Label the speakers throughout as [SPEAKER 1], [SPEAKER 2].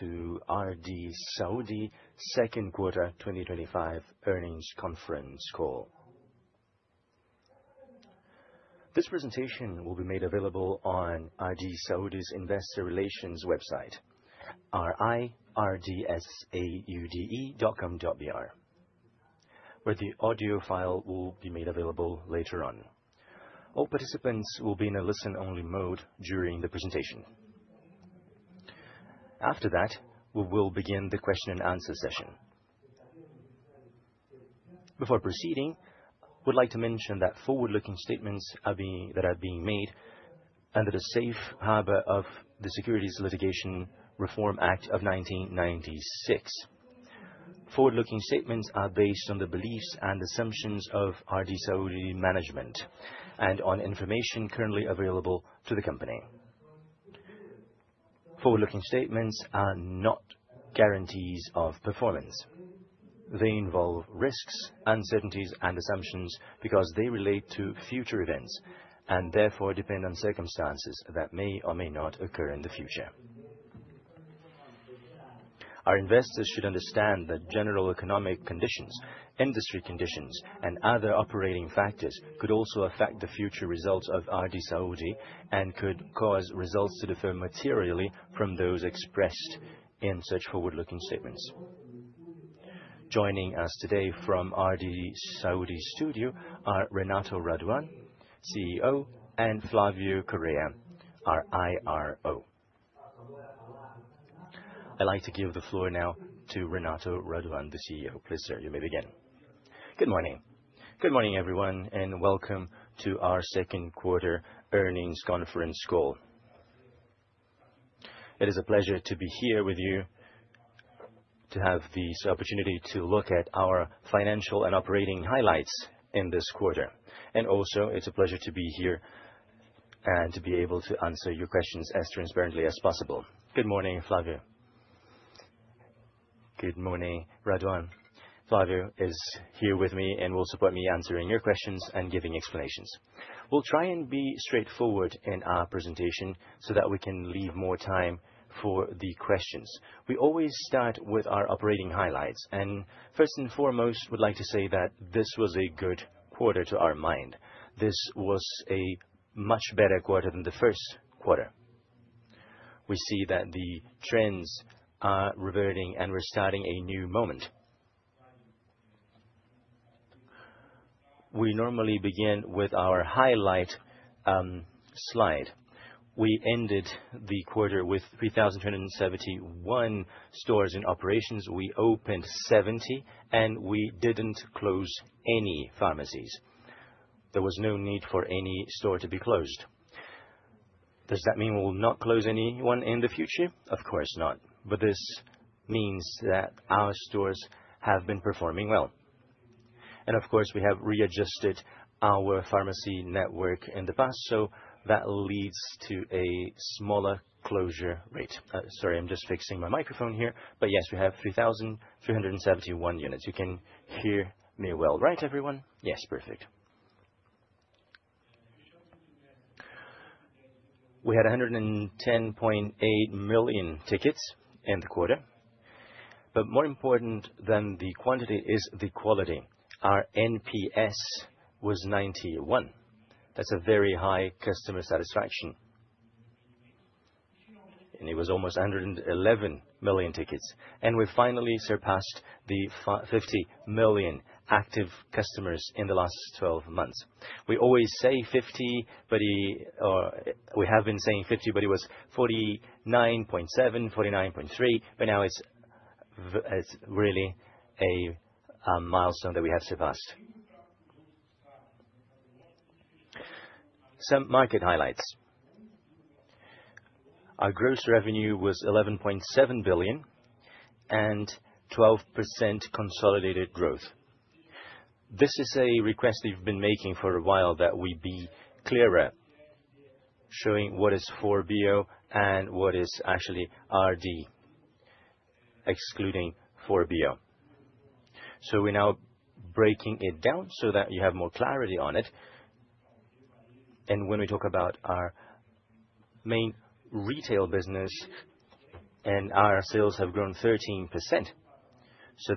[SPEAKER 1] To RD Saúde Second Quarter 2025 Earnings Conference Call. This presentation will be made available on RD Saúde's investor relations website, ri.rdsaude.com.br. The audio file will be made available later on. All participants will be in a listen-only mode during the presentation. After that, we will begin the question-and-answer session. Before proceeding, I would like to mention that forward-looking statements are being made under the Safe Harbor of the Securities Litigation Reform Act of 1996. Forward-looking statements are based on the beliefs and assumptions of RD Saúde management and on information currently available to the company. Forward-looking statements are not guarantees of performance. They involve risks, uncertainties, and assumptions because they relate to future events and therefore depend on circumstances that may or may not occur in the future. Our investors should understand that general economic conditions, industry conditions, and other operating factors could also affect the future results of RD Saúde and could cause results to differ materially from those expressed in such forward-looking statements. Joining us today from RD Saúde's studio are Renato Raduan, CEO, and Flavio Correia, our IRO. I'd like to give the floor now to Renato Raduan, the CEO. Please sir, you may begin.
[SPEAKER 2] Good morning. Good morning, everyone, and welcome to our Second Quarter Earnings Conference Call. It is a pleasure to be here with you to have this opportunity to look at our financial and operating highlights in this quarter. Also, it's a pleasure to be here and to be able to answer your questions as transparently as possible. Good morning, Flavio.
[SPEAKER 3] Good morning, Raduan.
[SPEAKER 2] Flavio is here with me and will support me answering your questions and giving explanations. We'll try and be straightforward in our presentation so that we can leave more time for the questions. We always start with our operating highlights. First and foremost, we'd like to say that this was a good quarter to our mind. This was a much better quarter than the first quarter. We see that the trends are reverting and we're starting a new moment. We normally begin with our highlight slide. We ended the quarter with 3,271 stores in operations. We opened 70, and we didn't close any pharmacies. There was no need for any store to be closed. Does that mean we will not close anyone in the future? Of course not. This means that our stores have been performing well. Of course, we have readjusted our pharmacy network in the past, so that leads to a smaller closure rate. Sorry, I'm just fixing my microphone here. Yes, we have 3,371 units. You can hear me well, right, everyone?
[SPEAKER 3] Yes, perfect.
[SPEAKER 2] We had 110.8 million tickets in the quarter. More important than the quantity is the quality. Our NPS was 91. That's a very high customer satisfaction. It was almost 111 million tickets. We finally surpassed the 50 million active customers in the last 12 months. We always say 50, but we have been saying 50, but it was 49.7, 49.3, but now it's really a milestone that we have surpassed. Some market highlights. Our gross revenue was R$11.7 billion and 12% consolidated growth. This is a request we've been making for a while, that we be clearer showing what is 4B and what is actually RD, excluding 4B. We're now breaking it down so that you have more clarity on it. When we talk about our main retail business, our sales have grown 13%.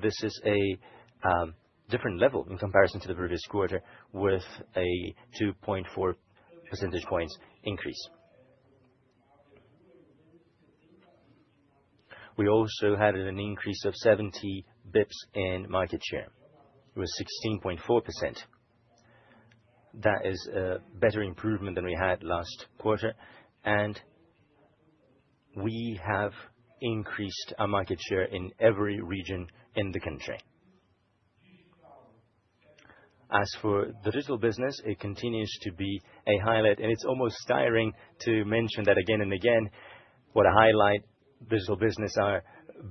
[SPEAKER 2] This is a different level in comparison to the previous quarter with a 2.4 percentage points increase. We also had an increase of 70 bps in market share. It was 16.4%. That is a better improvement than we had last quarter. We have increased our market share in every region in the country. As for the digital business, it continues to be a highlight. It's almost tiring to mention that again and again. What a highlight, digital business,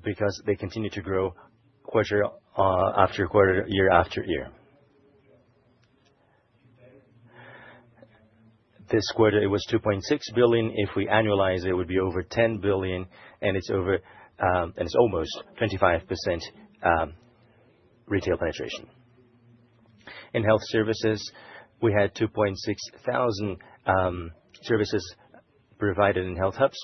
[SPEAKER 2] because they continue to grow quarter after quarter, year after year. This quarter, it was R$2.6 billion. If we annualize, it would be over R$10 billion. It's over, and it's almost 25% retail penetration. In health services, we had 2,600 services provided in health hubs.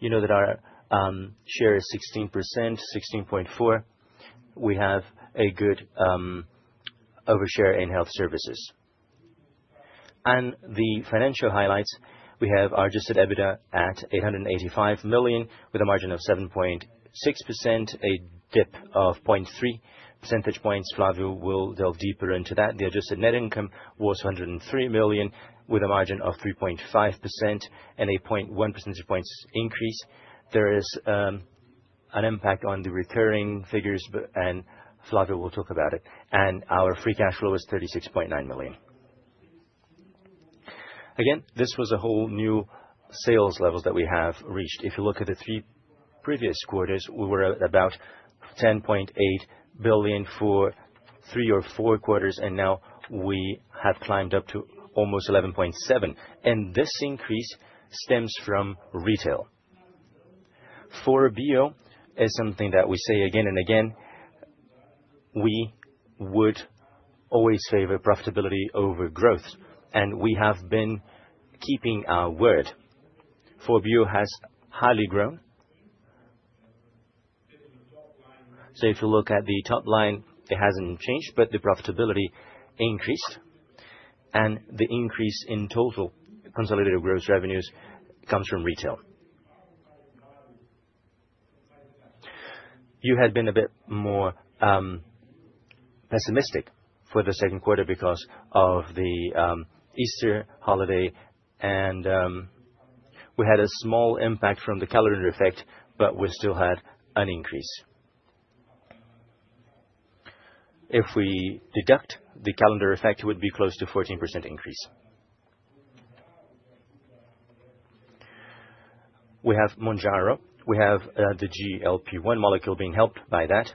[SPEAKER 2] You know that our share is 16%, 16.4%. We have a good overshare in health services. The financial highlights, we have our adjusted EBITDA at R$885 million with a margin of 7.6%, a dip of 0.3 percentage points. Flavio will delve deeper into that. The adjusted net income was R$103 million with a margin of 3.5% and a 0.1 percentage point increase. There is an impact on the recurring figures, and Flavio will talk about it. Our free cash flow is R$36.9 million. This was a whole new sales level that we have reached. If you look at the three previous quarters, we were at about R$10.8 billion for three or four quarters, and now we have climbed up to almost R$11.7 billion. This increase stems from retail. 4B is something that we say again and again. We would always favor profitability over growth. We have been keeping our word. 4B has highly grown. If you look at the top line, it hasn't changed, but the profitability increased. The increase in total consolidated gross revenues comes from retail. You had been a bit more pessimistic for the second quarter because of the Easter holiday, and we had a small impact from the calendar effect, but we still had an increase. If we deduct the calendar effect, it would be close to a 14% increase. We have Mounjaro. We have the GLP-1 molecule being helped by that.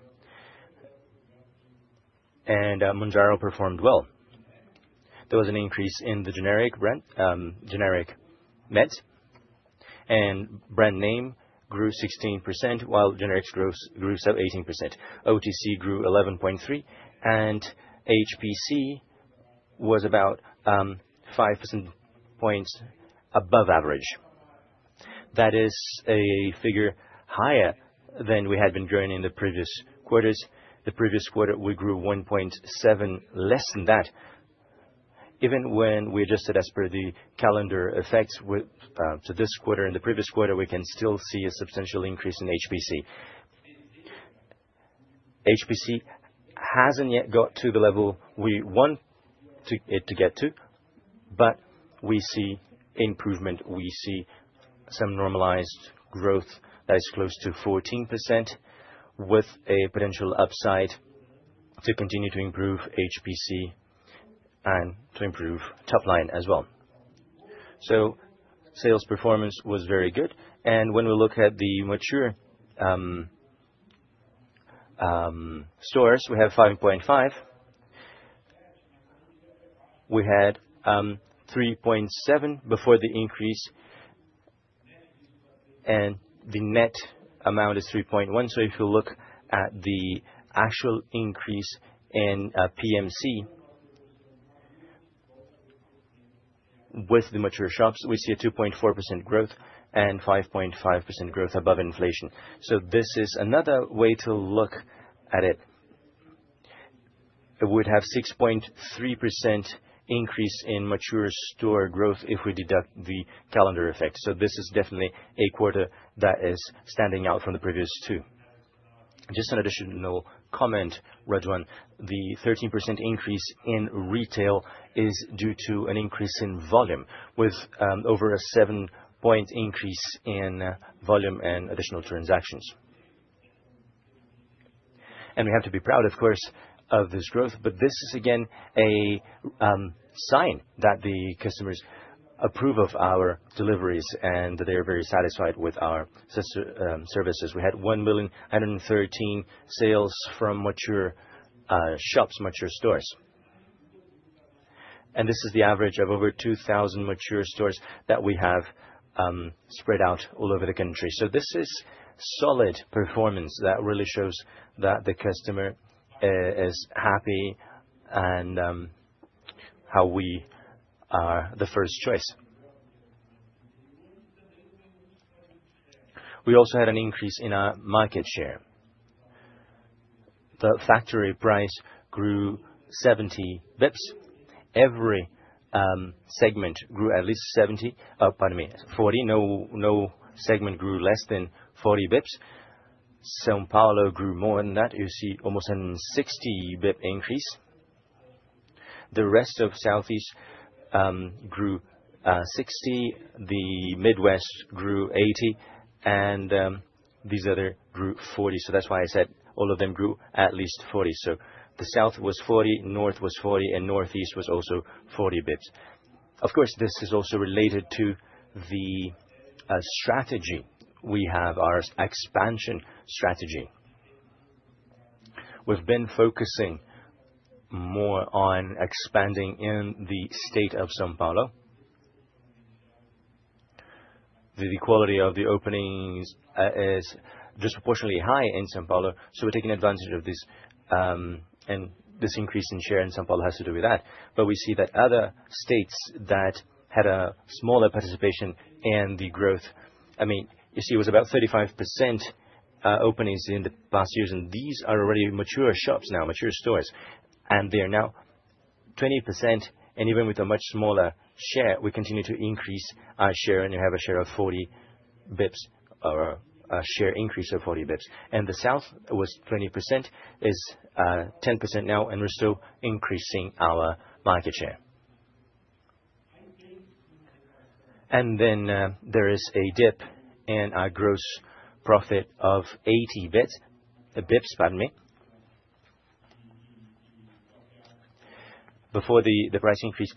[SPEAKER 2] Mounjaro performed well. There was an increase in the generic meds, and brand name grew 16% while generics grew 18%. OTC grew 11.3%, and HPC was about 5% points above average. That is a figure higher than we had been growing in the previous quarters. The previous quarter, we grew 1.7% less than that. Even when we adjusted as per the calendar effects to this quarter and the previous quarter, we can still see a substantial increase in HPC. HPC hasn't yet got to the level we want it to get to, but we see improvement. We see some normalized growth that is close to 14% with a potential upside to continue to improve HPC and to improve top line as well. Sales performance was very good. When we look at the mature stores, we have 5.5. We had 3.7% before the increase, and the net amount is 3.1%. If you look at the actual increase in PMC with the mature shops, we see a 2.4% growth and 5.5% growth above inflation. This is another way to look at it. We'd have a 6.3% increase in mature store growth if we deduct the calendar effect. This is definitely a quarter that is standing out from the previous too. Just an additional comment, Raduan. The 13% increase in retail is due to an increase in volume with over a seven-point increase in volume and additional transactions. We have to be proud, of course, of this growth. This is, again, a sign that the customers approve of our deliveries and that they are very satisfied with our services. We had 1,113 sales from mature shops, mature stores. This is the average of over 2,000 mature stores that we have spread out all over the country. This is solid performance that really shows that the customer is happy and how we are the first choice. We also had an increase in our market share. The factory price grew 70 bps. Every segment grew at least 70. Oh, pardon me, 40. No segment grew less than 40 bps. São Paulo grew more than that. You see almost a 60-bp increase. The rest of Southeast grew 60. The Midwest grew 80. These others grew 40. That's why I said all of them grew at least 40. The South was 40, North was 40, and Northeast was also 40 bps. This is also related to the strategy we have, our expansion strategy. We've been focusing more on expanding in the state of São Paulo. The quality of the openings is disproportionately high in São Paulo, so we're taking advantage of this. This increase in share in São Paulo has to do with that. We see that other states that had a smaller participation in the growth, I mean, you see it was about 35% openings in the past years. These are already mature shops now, mature stores. They are now 20%. Even with a much smaller share, we continue to increase our share. You have a share of 40 bps or a share increase of 40 bps. The South was 20%. It's 10% now. We're still increasing our market share. There is a dip in our gross profit of 80 bps. Pardon me. Before the price increase,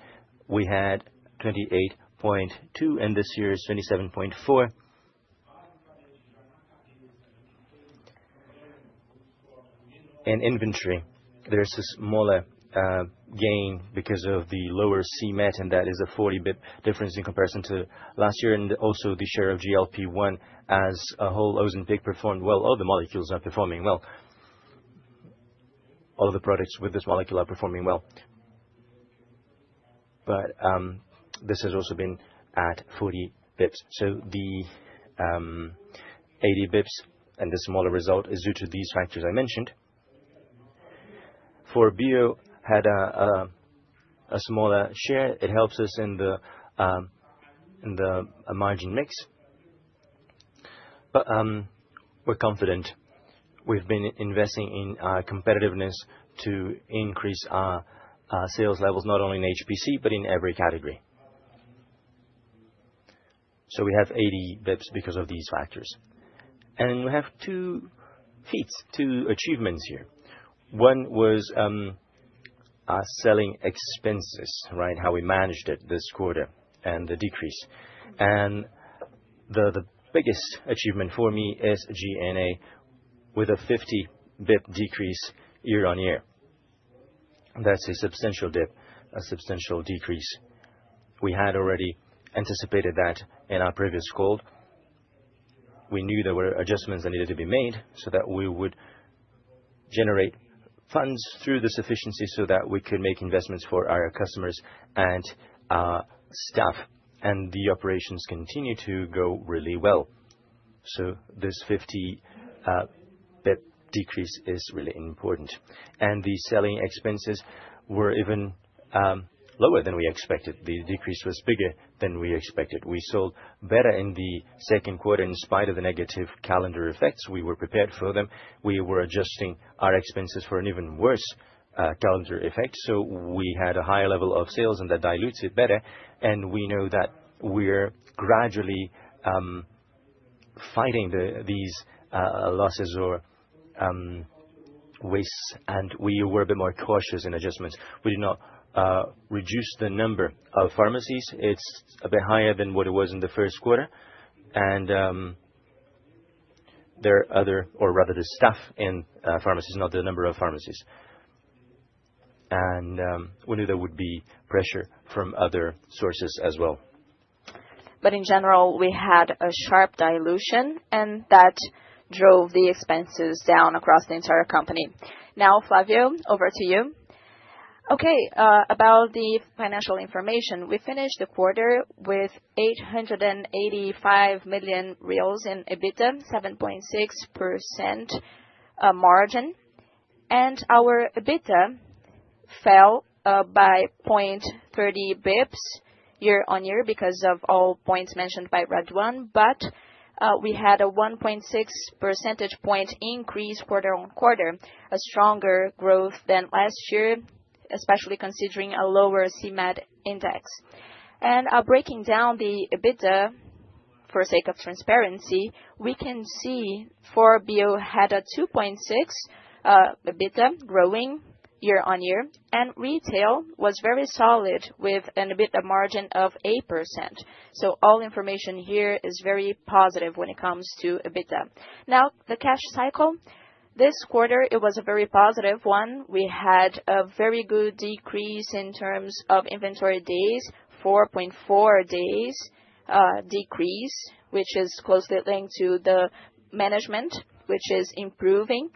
[SPEAKER 2] we had 28.2%. This year is 27.4%. In inventory, there is a smaller gain because of the lower CMET. That is a 40-bp difference in comparison to last year. Also, the share of GLP-1 as a whole, Ozempic performed well. All the molecules are performing well. All the products with this molecule are performing well. This has also been at 40 bps. The 80 bps and the smaller result is due to these factors I mentioned. 4B had a smaller share. It helps us in the margin mix. We're confident. We've been investing in our competitiveness to increase our sales levels, not only in HPC but in every category. We have 80 bps because of these factors. We have two achievements here. One was our selling expenses, how we managed it this quarter and the decrease. The biggest achievement for me is G&A with a 50-bp decrease year-on-year. That's a substantial dip, a substantial decrease. We had already anticipated that in our previous call. We knew there were adjustments that needed to be made so that we would generate funds through this efficiency so that we could make investments for our customers and staff. The operations continue to go really well. This 50-bp decrease is really important. The selling expenses were even lower than we expected. The decrease was bigger than we expected. We sold better in the second quarter in spite of the negative calendar effects. We were prepared for them. We were adjusting our expenses for an even worse calendar effect. We had a higher level of sales, and that dilutes it better. We know that we're gradually fighting these losses or waste. We were a bit more cautious in adjustments. We did not reduce the number of pharmacies. It's a bit higher than what it was in the first quarter. There are other, or rather, the staff in pharmacies, not the number of pharmacies. We knew there would be pressure from other sources as well. But in general, we had a sharp dilution, and that drove the expenses down across the entire company. Now, Flavio, over to you.
[SPEAKER 3] Okay. About the financial information, we finished the quarter with R$885 million in EBITDA, 7.6% margin. Our EBITDA fell by 0.30 bps year-on-year because of all points mentioned by Raduan. We had a 1.6 percentage point increase quarter-on-quarter, a stronger growth than last year, especially considering a lower CMET index. Breaking down the EBITDA for sake of transparency, we can see 4B had a 2.6% EBITDA growing year-on-year. Retail was very solid with an EBITDA margin of 8%. All information here is very positive when it comes to EBITDA. Now, the cash cycle, this quarter, it was a very positive one. We had a very good decrease in terms of inventory days, 4.4 days decrease, which is closely linked to the management, which is improving.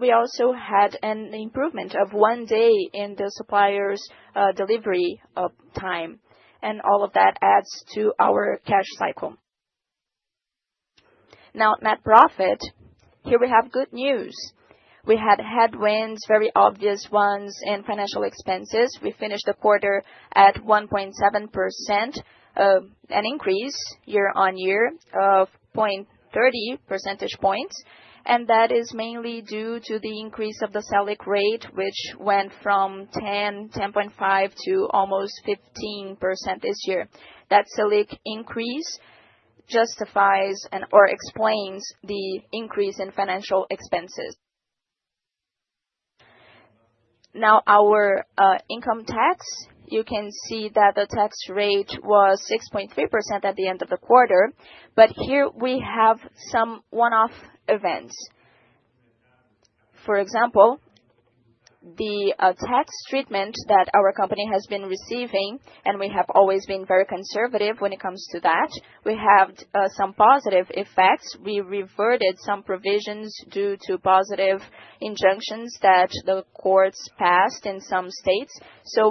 [SPEAKER 3] We also had an improvement of one day in the supplier's delivery time. All of that adds to our cash cycle. Now, net profit, here we have good news. We had headwinds, very obvious ones in financial expenses. We finished the quarter at 1.7%, an increase year-on-year of 0.30 percentage points. That is mainly due to the increase of the SELIC rate, which went from 10.5% to almost 15% this year. That SELIC increase justifies and/or explains the increase in financial expenses. Now, our income tax, you can see that the tax rate was 6.3% at the end of the quarter. Here, we have some one-off events. For example, the tax treatment that our company has been receiving, and we have always been very conservative when it comes to that. We have some positive effects. We reverted some provisions due to positive injunctions that the courts passed in some states.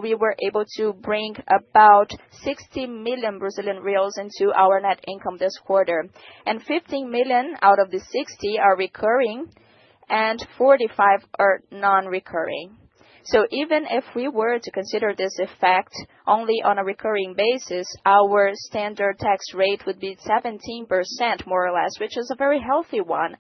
[SPEAKER 3] We were able to bring about R$60 million into our net income this quarter. R$15 million out of the R$60 million are recurring, and R$45 million are non-recurring. Even if we were to consider this effect only on a recurring basis, our standard tax rate would be 17%, more or less, which is a very healthy one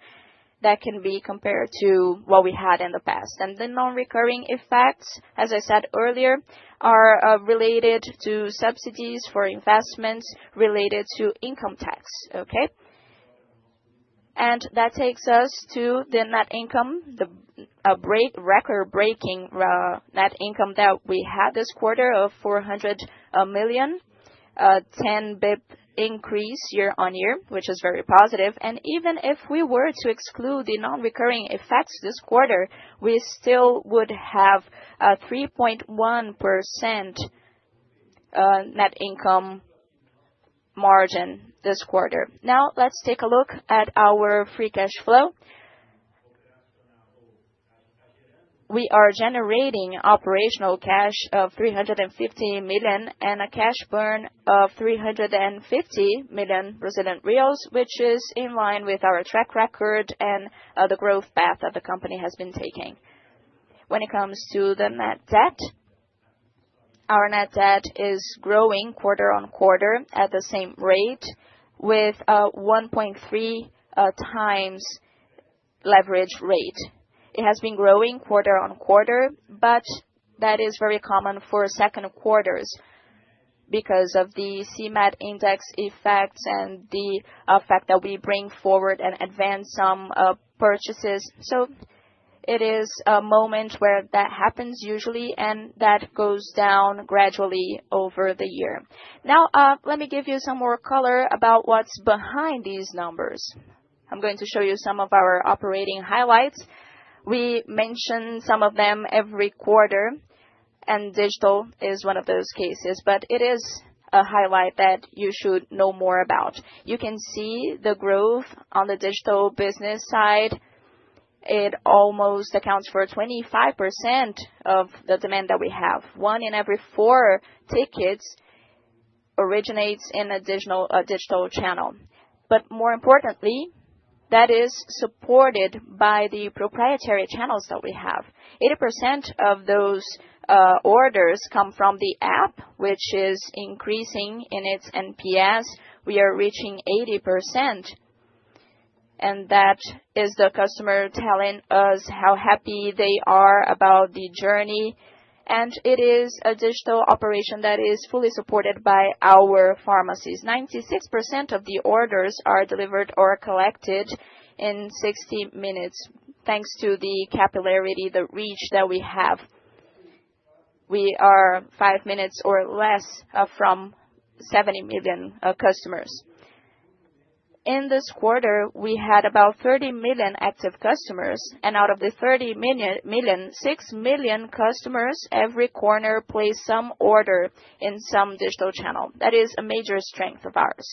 [SPEAKER 3] that can be compared to what we had in the past. The non-recurring effects, as I said earlier, are related to subsidies for investments related to income tax. That takes us to the net income, the record-breaking net income that we had this quarter of R$400 million, a 10-bp increase year-on-year, which is very positive. Even if we were to exclude the non-recurring effects this quarter, we still would have a 3.1% net income margin this quarter. Now, let's take a look at our free cash flow. We are generating operational cash of R$350 million and a cash burn of R$350 million, which is in line with our track record and the growth path that the company has been taking. When it comes to the net debt, our net debt is growing quarter-on-quarter at the same rate with a 1.3x leverage rate. It has been growing quarter on quarter, which is very common for second quarters because of the CMET index effects and the fact that we bring forward and advance some purchases. It is a moment where that happens usually, and that goes down gradually over the year. Let me give you some more color about what's behind these numbers. I'm going to show you some of our operating highlights. We mention some of them every quarter, and digital is one of those cases. It is a highlight that you should know more about. You can see the growth on the digital business side. It almost accounts for 25% of the demand that we have. One in every four tickets originates in a digital channel. More importantly, that is supported by the proprietary channels that we have. 80% of those orders come from the app, which is increasing in its NPS. We are reaching 80%, and that is the customer telling us how happy they are about the journey. It is a digital operation that is fully supported by our pharmacies. 96% of the orders are delivered or collected in 60 minutes, thanks to the capillarity, the reach that we have. We are five minutes or less from 70 million customers. In this quarter, we had about 30 million active customers. Out of the 30 million, 6 million customers every quarter place some order in some digital channel. That is a major strength of ours.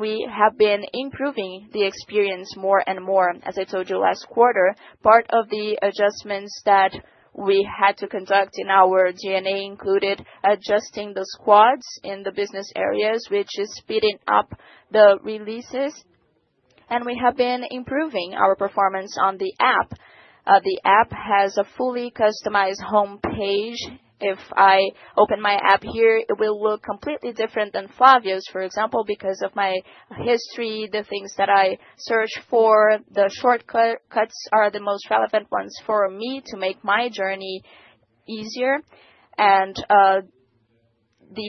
[SPEAKER 3] We have been improving the experience more and more.
[SPEAKER 2] As I told you last quarter, part of the adjustments that we had to conduct in our G&A included adjusting the squads in the business areas, which is speeding up the releases. We have been improving our performance on the app. The app has a fully customized homepage. If I open my app here, it will look completely different than Flavio's, for example, because of my history, the things that I search for. The shortcuts are the most relevant ones for me to make my journey easier. The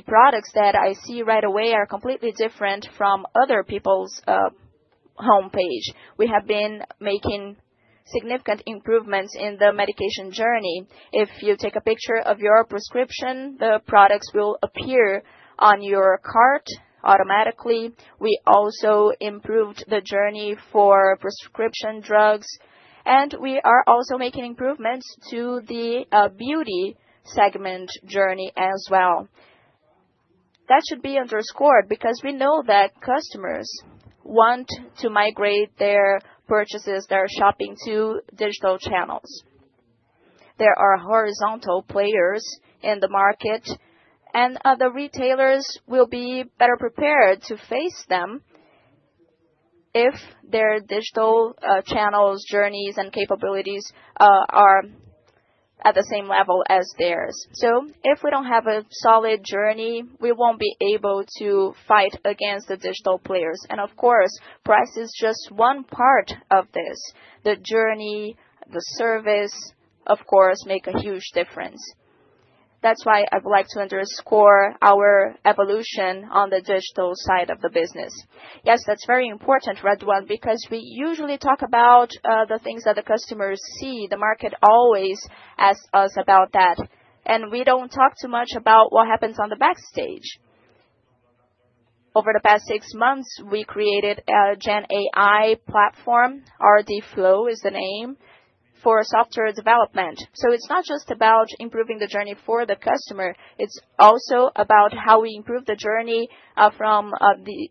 [SPEAKER 2] products that I see right away are completely different from other people's homepage. We have been making significant improvements in the medication journey. If you take a picture of your prescription, the products will appear on your cart automatically. We also improved the journey for prescription drugs. We are also making improvements to the beauty segment journey as well. That should be underscored because we know that customers want to migrate their purchases, their shopping to digital channels. There are horizontal players in the market. The retailers will be better prepared to face them if their digital channels, journeys, and capabilities are at the same level as theirs. If we don't have a solid journey, we won't be able to fight against the digital players. Price is just one part of this. The journey, the service, of course, make a huge difference. That's why I would like to underscore our evolution on the digital side of the business.
[SPEAKER 3] Yes, that's very important, Raduan, because we usually talk about the things that the customers see. The market always asks us about that. We don't talk too much about what happens on the backstage. Over the past six months, we created a GenAI platform. RD Flow is the name for software development. It's not just about improving the journey for the customer. It's also about how we improve the journey from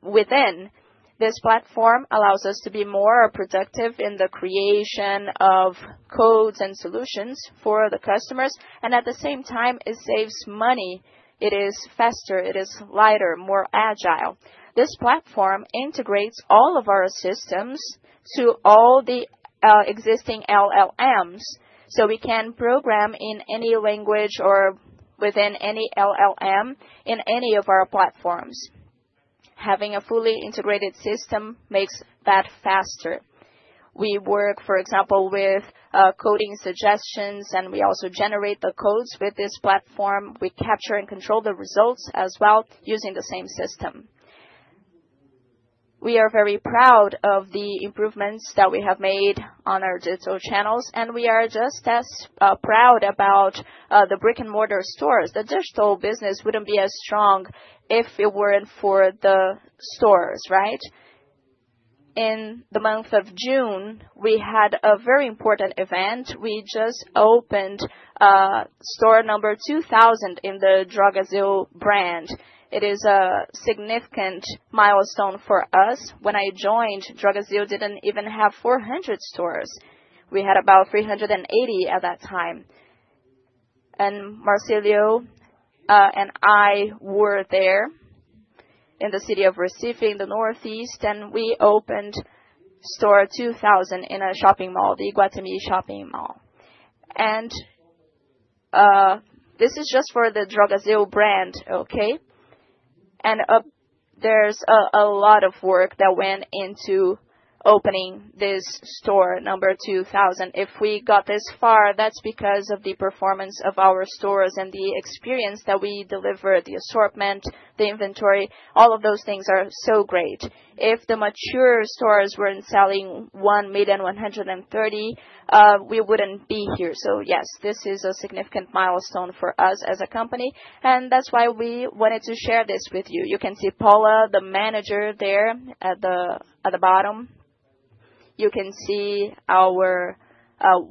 [SPEAKER 3] within. This platform allows us to be more productive in the creation of codes and solutions for the customers. At the same time, it saves money. It is faster. It is lighter, more agile. This platform integrates all of our systems to all the existing LLMs. We can program in any language or within any LLM in any of our platforms. Having a fully integrated system makes that faster. We work, for example, with coding suggestions, and we also generate the codes with this platform. We capture and control the results as well using the same system. We are very proud of the improvements that we have made on our digital channels. We are just as proud about the brick-and-mortar stores. The digital business wouldn't be as strong if it weren't for the stores, right? In the month of June, we had a very important event. We just opened store number 2,000 in the Drogasil brand. It is a significant milestone for us. When I joined, Drogasil didn't even have 400 stores. We had about 380 at that time. Marcílio and I were there in the city of Recife, in the Northeast, and we opened store 2,000 in a shopping mall, the Guararapes shopping mall. This is just for the Drogasil brand, okay? There is a lot of work that went into opening this store number 2,000. If we got this far, that's because of the performance of our stores and the experience that we delivered, the assortment, the inventory. All of those things are so great. If the mature stores weren't selling 1,130, we wouldn't be here. This is a significant milestone for us as a company. That's why we wanted to share this with you. You can see Paula, the manager, there at the bottom. You can see our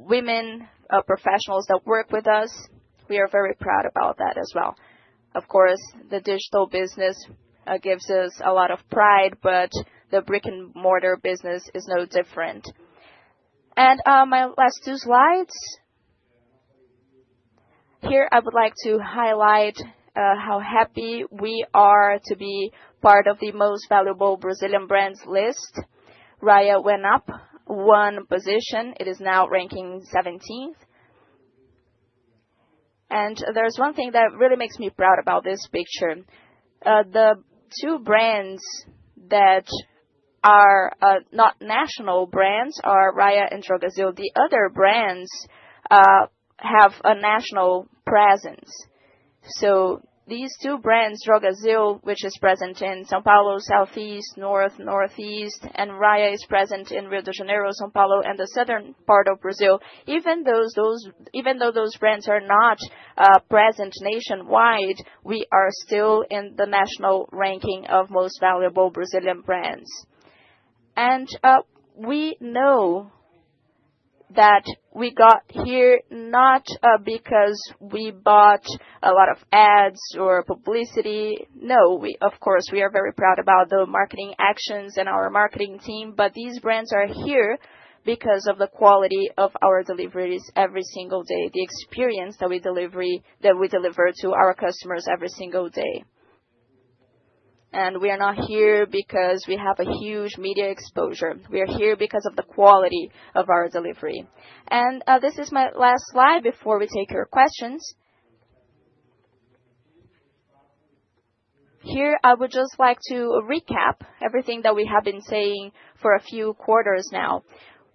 [SPEAKER 3] women professionals that work with us. We are very proud about that as well. Of course, the digital business gives us a lot of pride, but the brick-and-mortar business is no different. My last two slides. Here, I would like to highlight how happy we are to be part of the most valuable Brazilian brands list. Raia went up one position. It is now ranking 17th. There is one thing that really makes me proud about this picture. The two brands that are not national brands are Raia and Drogasil. The other brands have a national presence. These two brands, Drogasil, which is present in São Paulo, Southeast, North, Northeast, and Raia is present in Rio de Janeiro, São Paulo, and the southern part of Brazil. Even though those brands are not present nationwide, we are still in the national ranking of most valuable Brazilian brands. We know that we got here not because we bought a lot of ads or publicity. We are very proud about the marketing actions and our marketing team. These brands are here because of the quality of our deliveries every single day, the experience that we deliver to our customers every single day. We are not here because we have a huge media exposure. We are here because of the quality of our delivery. This is my last slide before we take your questions. Here, I would just like to recap everything that we have been saying for a few quarters now.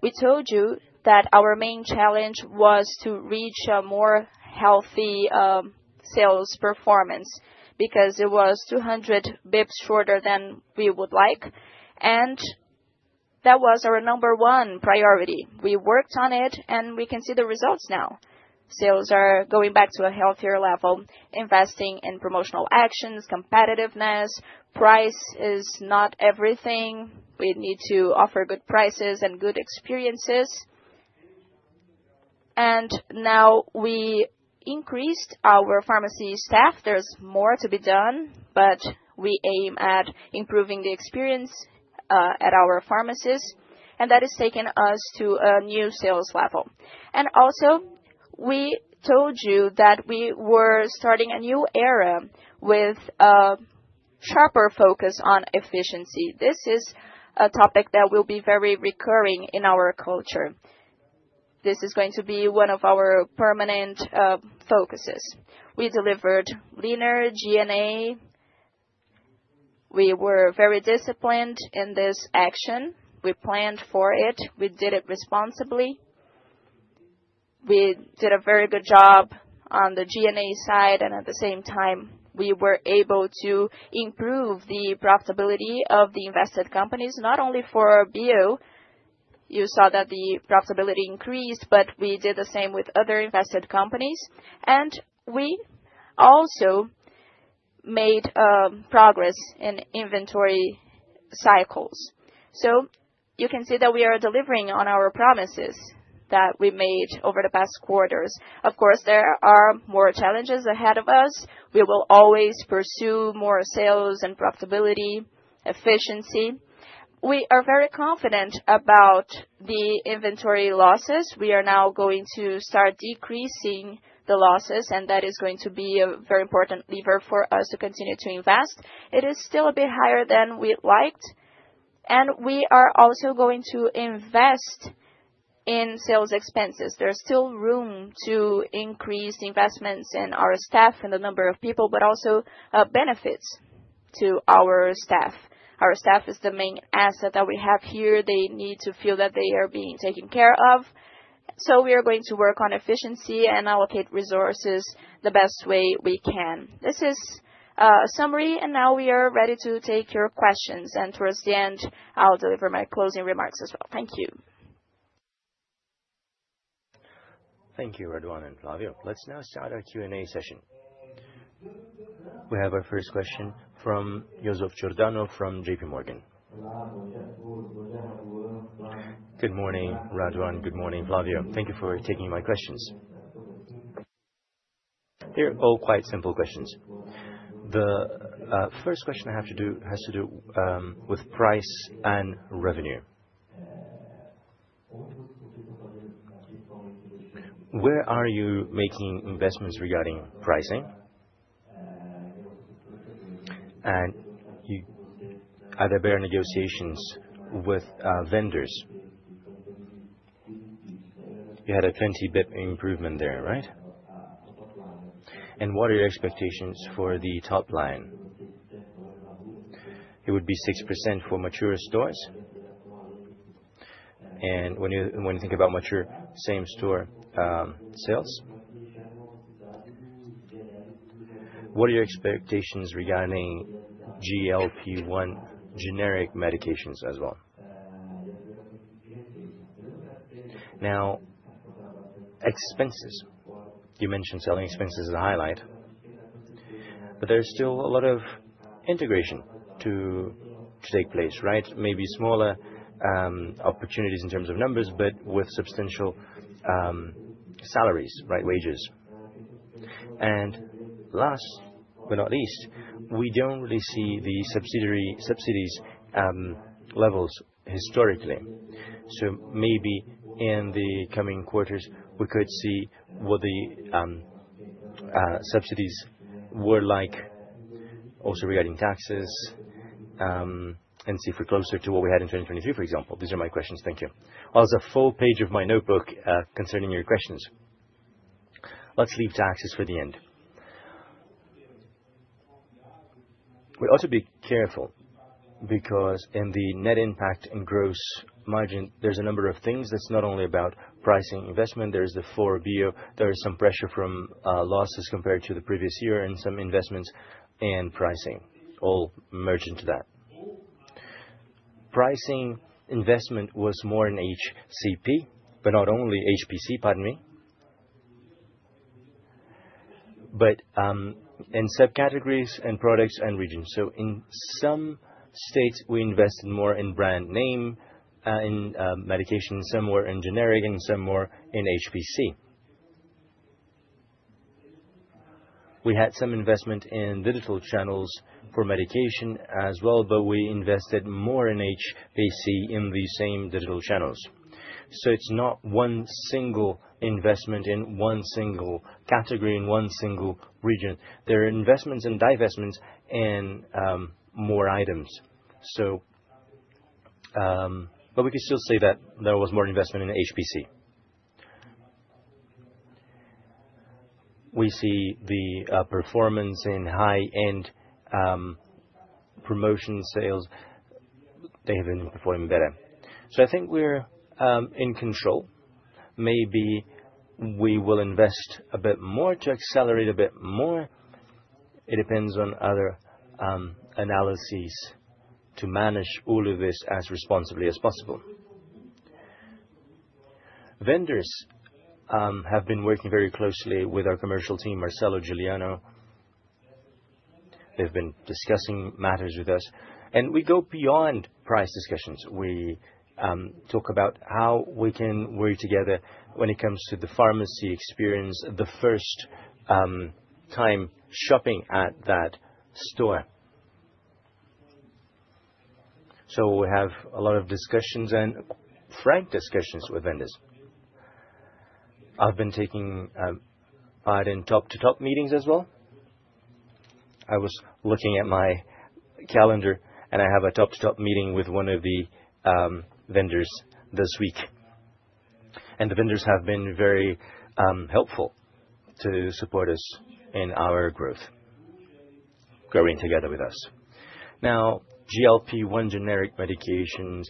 [SPEAKER 3] We told you that our main challenge was to reach a more healthy sales performance because it was 200 bps shorter than we would like. That was our number one priority. We worked on it, and we can see the results now. Sales are going back to a healthier level, investing in promotional actions, competitiveness. Price is not everything. We need to offer good prices and good experiences. We increased our pharmacy staff. There is more to be done, but we aim at improving the experience at our pharmacies. That has taken us to a new sales level. We told you that we were starting a new era with a sharper focus on efficiency. This is a topic that will be very recurring in our culture. This is going to be one of our permanent focuses. We delivered leaner G&A. We were very disciplined in this action. We planned for it. We did it responsibly. We did a very good job on the G&A side. At the same time, we were able to improve the profitability of the invested companies, not only for BO. You saw that the profitability increased, but we did the same with other invested companies. We also made progress in inventory cycles. You can see that we are delivering on our promises that we made over the past quarters. Of course, there are more challenges ahead of us. We will always pursue more sales and profitability, efficiency. We are very confident about the inventory losses. We are now going to start decreasing the losses. That is going to be a very important lever for us to continue to invest. It is still a bit higher than we'd like. We are also going to invest in sales expenses. There is still room to increase the investments in our staff and the number of people, but also benefits to our staff. Our staff is the main asset that we have here. They need to feel that they are being taken care of. We are going to work on efficiency and allocate resources the best way we can. This is a summary. We are ready to take your questions. Towards the end, I'll deliver my closing remarks as well. Thank you.
[SPEAKER 1] Thank you, Raduan and Flavio. Let's now start our Q&A session. We have our first question from Joseph Giordano from JPMorgan.
[SPEAKER 4] Good morning, Raduan. Good morning, Flavio. Thank you for taking my questions. They're all quite simple questions. The first question I have has to do with price and revenue. Where are you making investments regarding pricing? Are you either bearing negotiations with vendors? You had a 20 bps improvement there, right? What are your expectations for the top line? It would be 6% for mature stores. When you think about mature, same-store sales, what are your expectations regarding GLP-1 generic medications as well?
[SPEAKER 2] Now, expenses. You mentioned selling expenses as a highlight. There's still a lot of integration to take place, right? Maybe smaller opportunities in terms of numbers, but with substantial salaries, wages. Last but not least, we generally see the subsidies levels historically. Maybe in the coming quarters, we could see what the subsidies were like, also regarding taxes, and see if we're closer to what we had in 2023, for example. These are my questions. Thank you. I'll have a full page of my notebook concerning your questions. Let's leave taxes for the end. We ought to be careful because in the net impact and gross margin, there's a number of things. It's not only about pricing investment. There is the 4B. There is some pressure from losses compared to the previous year and some investments in pricing. All merge into that. Pricing investment was more in HPC, but not only HPC, pardon me, but in subcategories and products and regions. In some states, we invested more in brand name and in medication. Some were in generic, and some were in HPC. We had some investment in digital channels for medication as well, but we invested more in HPC in the same digital channels. It's not one single investment in one single category in one single region. There are investments and divestments in more items. We can still say that there was more investment in HPC. We see the performance in high-end promotion sales. They have been performing better. I think we're in control. Maybe we will invest a bit more to accelerate a bit more. It depends on other analyses to manage all of this as responsibly as possible. Vendors have been working very closely with our commercial team, Marcelo Giuliano. They've been discussing matters with us. We go beyond price discussions. We talk about how we can work together when it comes to the pharmacy experience, the first time shopping at that store.
[SPEAKER 3] We have a lot of discussions and frank discussions with vendors. I've been taking part in top-to-top meetings as well. I was looking at my calendar, and I have a top-to-top meeting with one of the vendors this week. The vendors have been very helpful to support us in our growth, growing together with us.
[SPEAKER 2] Now, GLP-1 generic medications,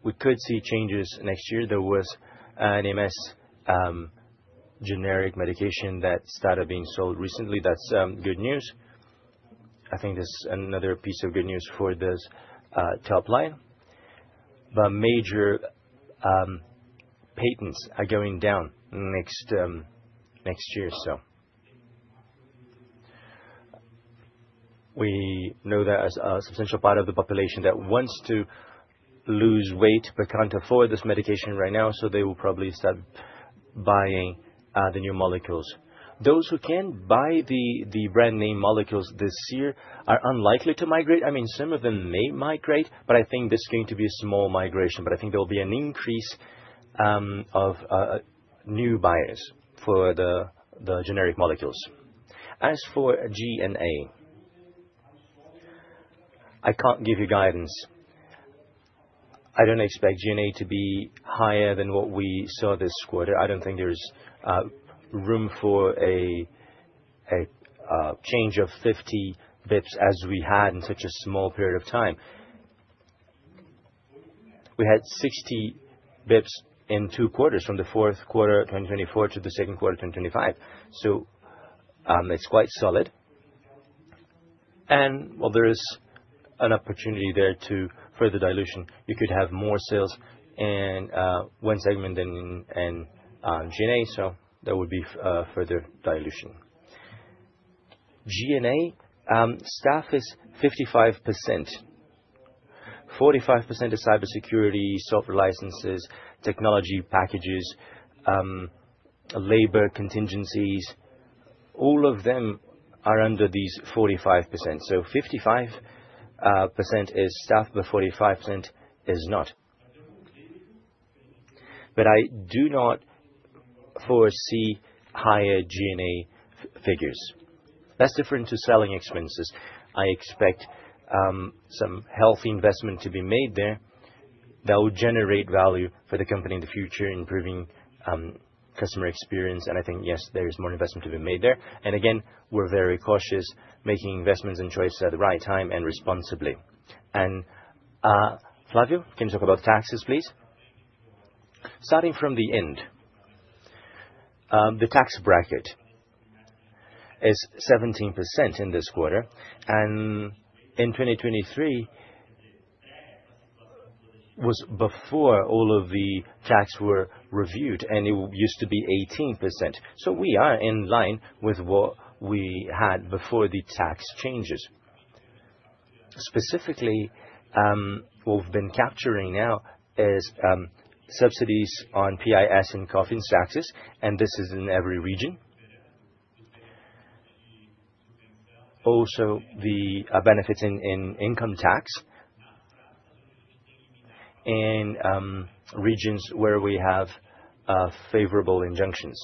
[SPEAKER 2] we could see changes next year. There was an MS generic medication that started being sold recently. That's good news. I think this is another piece of good news for this top line. Major patents are going down next year. We know that there is a substantial part of the population that wants to lose weight but can't afford this medication right now. They will probably start buying the new molecules. Those who can buy the brand name molecules this year are unlikely to migrate. I mean, some of them may migrate, but I think this is going to be a small migration. I think there will be an increase of new buyers for the generic molecules. As for G&A, I can't give you guidance. I don't expect G&A to be higher than what we saw this quarter. I don't think there is room for a change of 50 bps as we had in such a small period of time. We had 60 bps in two quarters, from the fourth quarter 2024 to the second quarter 2025. It's quite solid. There is an opportunity there to further dilution. You could have more sales in one segment than in G&A, so there would be further dilution. G&A staff is 55%. 45% of cybersecurity, software licenses, technology packages, labor contingencies, all of them are under these 45%. 55% is staff, but 45% is not. I do not foresee higher G&A figures. That's different to selling expenses. I expect some healthy investment to be made there that will generate value for the company in the future, improving customer experience. I think, yes, there is more investment to be made there. Again, we're very cautious, making investments and choices at the right time and responsibly. Flavio, can you talk about taxes, please?
[SPEAKER 3] Starting from the end, the tax bracket is 17% in this quarter. In 2023, it was before all of the tax were reviewed, and it used to be 18%. We are in line with what we had before the tax changes. Specifically, what we've been capturing now is subsidies on PIS and Cofins taxes, and this is in every region. Also, the benefits in income tax in regions where we have favorable injunctions.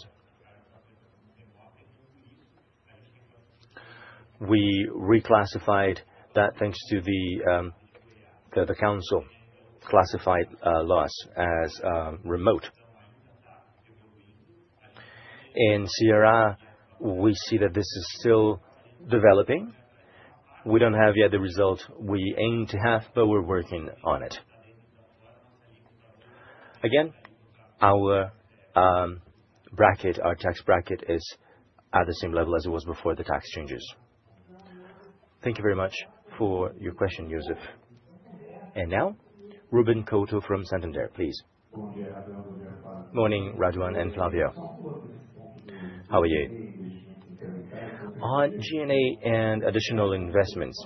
[SPEAKER 3] We reclassified that thanks to the council classified loss as remote. In Sierra, we see that this is still developing. We don't have yet the results we aim to have, but we're working on it. Again, our bracket, our tax bracket, is at the same level as it was before the tax changes.
[SPEAKER 1] Thank you very much for your question, Joseph. Now, Ruben Couto from Santander, please.
[SPEAKER 5] Morning, Raduan and Flavio. How are you? On G&A and additional investments,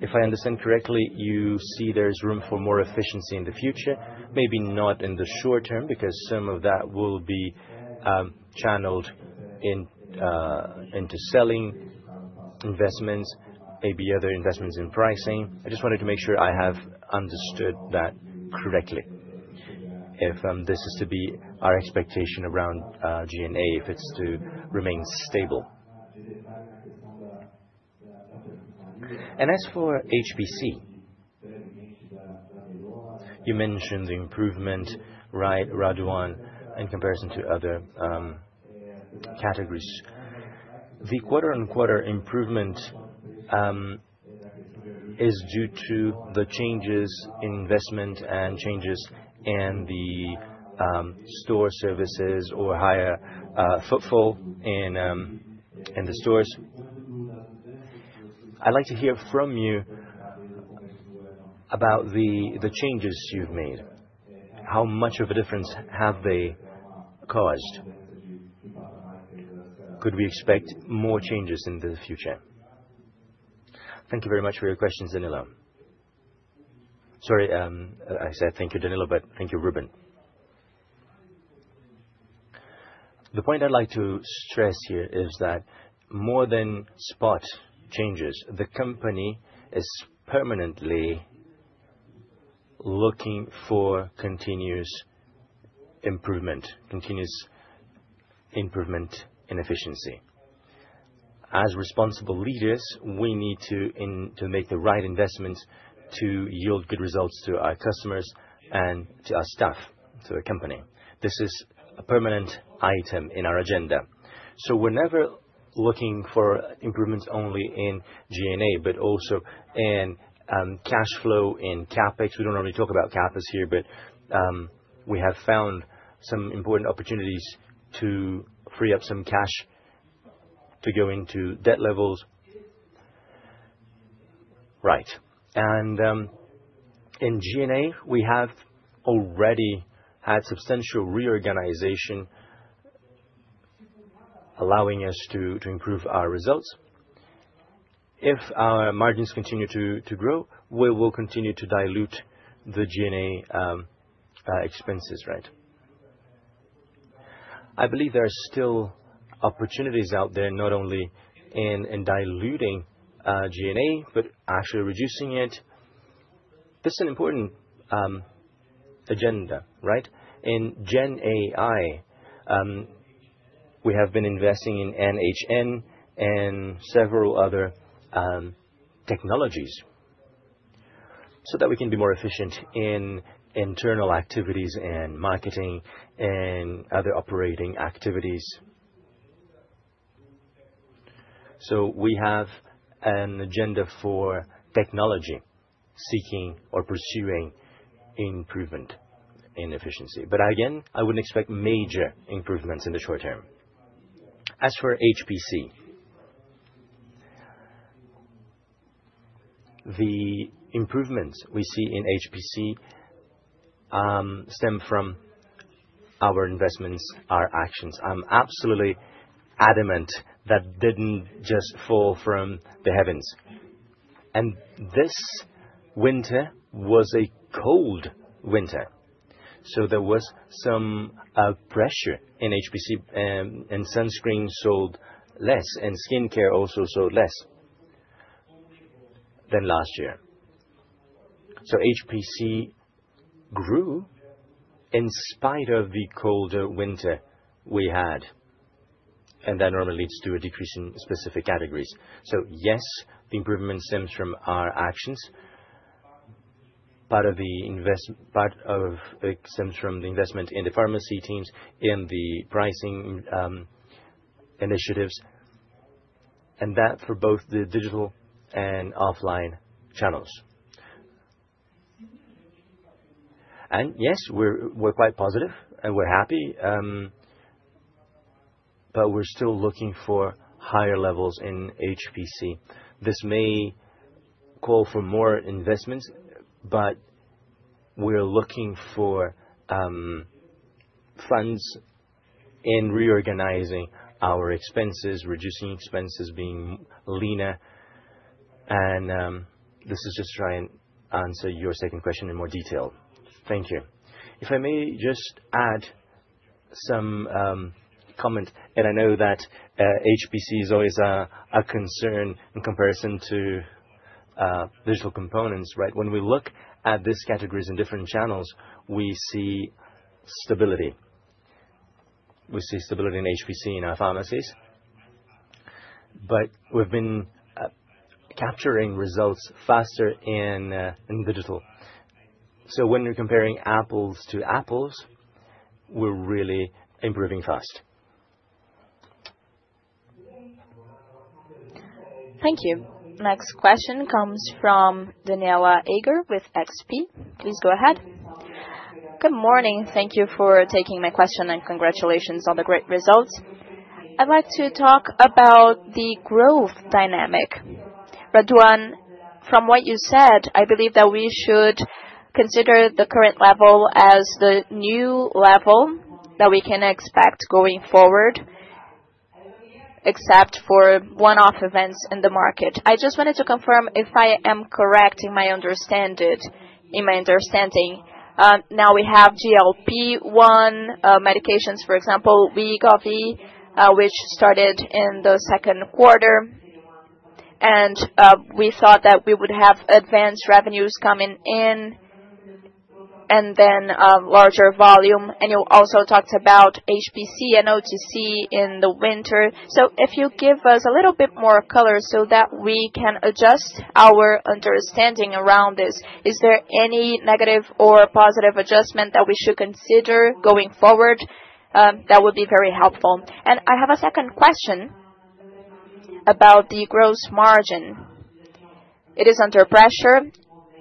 [SPEAKER 5] if I understand correctly, you see there's room for more efficiency in the future, maybe not in the short term because some of that will be channeled into selling investments, maybe other investments in pricing. I just wanted to make sure I have understood that correctly. If this is to be our expectation around G&A, if it's to remain stable. As for HPC, you mentioned the improvements, right, Raduan, in comparison to other categories. The quarter-on-quarter improvements are due to the changes in investment and changes in the store services or higher footfall in the stores. I'd like to hear from you about the changes you've made. How much of a difference have they caused? Could we expect more changes in the future?
[SPEAKER 2] Thank you very much for your questions, Danilo. Sorry, I said thank you, Danilo, but thank you, Ruben. The point I'd like to stress here is that more than spot changes, the company is permanently looking for continuous improvement, continuous improvement in efficiency. As responsible leaders, we need to make the right investments to yield good results to our customers and to our staff, to the company. This is a permanent item in our agenda. We're never looking for improvements only in G&A, but also in cash flow, in CapEx. We don't normally talk about CapEx here, but we have found some important opportunities to free up some cash to go into debt levels. Right. In G&A, we have already had substantial reorganization allowing us to improve our results.
[SPEAKER 5] If our margins continue to grow, we will continue to dilute the G&A expenses, right?
[SPEAKER 2] I believe there are still opportunities out there, not only in diluting G&A, but actually reducing it.
[SPEAKER 5] That's an important agenda, right?
[SPEAKER 2] In GenAI, we have been investing in NHN and several other technologies so that we can be more efficient in internal activities and marketing and other operating activities. We have an agenda for technology, seeking or pursuing improvement in efficiency. Again, I wouldn't expect major improvements in the short term. As for HPC, the improvements we see in HPC stem from our investments, our actions. I'm absolutely adamant that didn't just fall from the heavens. This winter was a cold winter, so there was some pressure in HPC, and sunscreen sold less, and skincare also sold less than last year. HPC grew in spite of the colder winter we had. That normally leads to a decrease in specific categories. Yes, the improvement stems from our actions. Part of the investment in the pharmacy teams and the pricing initiatives, and that for both the digital and offline channels. Yes, we're quite positive, and we're happy. We're still looking for higher levels in HPC. This may call for more investments, but we are looking for funds in reorganizing our expenses, reducing expenses, being leaner. This is just trying to answer your second question in more detail.
[SPEAKER 5] Thank you.
[SPEAKER 2] If I may just add some comment, and I know that HPC is always a concern in comparison to digital components, right? When we look at these categories in different channels, we see stability. We see stability in HPC in our pharmacies. We've been capturing results faster in digital. When we're comparing apples to apples, we're really improving fast.
[SPEAKER 1] Thank you. Next question comes from Daniela Eger with XP. Please go ahead.
[SPEAKER 6] Good morning. Thank you for taking my question and congratulations on the great results. I'd like to talk about the growth dynamic. Raduan, from what you said, I believe that we should consider the current level as the new level that we can expect going forward, except for one-off events in the market. I just wanted to confirm if I am correct in my understanding. Now, we have GLP-1 medications, for example, Wegovy, which started in the second quarter. We thought that we would have advanced revenues coming in and then larger volume. You also talked about HPC and OTC in the winter. If you give us a little bit more color so that we can adjust our understanding around this, is there any negative or positive adjustment that we should consider going forward? That would be very helpful. I have a second question about the gross margin. It is under pressure,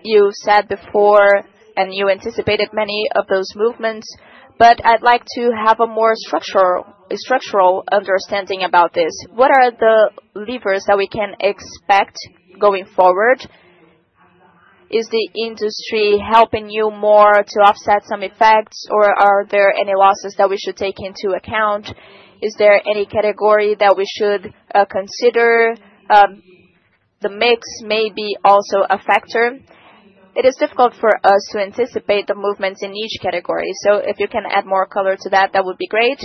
[SPEAKER 6] you said before, and you anticipated many of those movements. I'd like to have a more structural understanding about this. What are the levers that we can expect going forward? Is the industry helping you more to offset some effects, or are there any losses that we should take into account? Is there any category that we should consider? The mix may be also a factor. It is difficult for us to anticipate the movements in each category. If you can add more color to that, that would be great.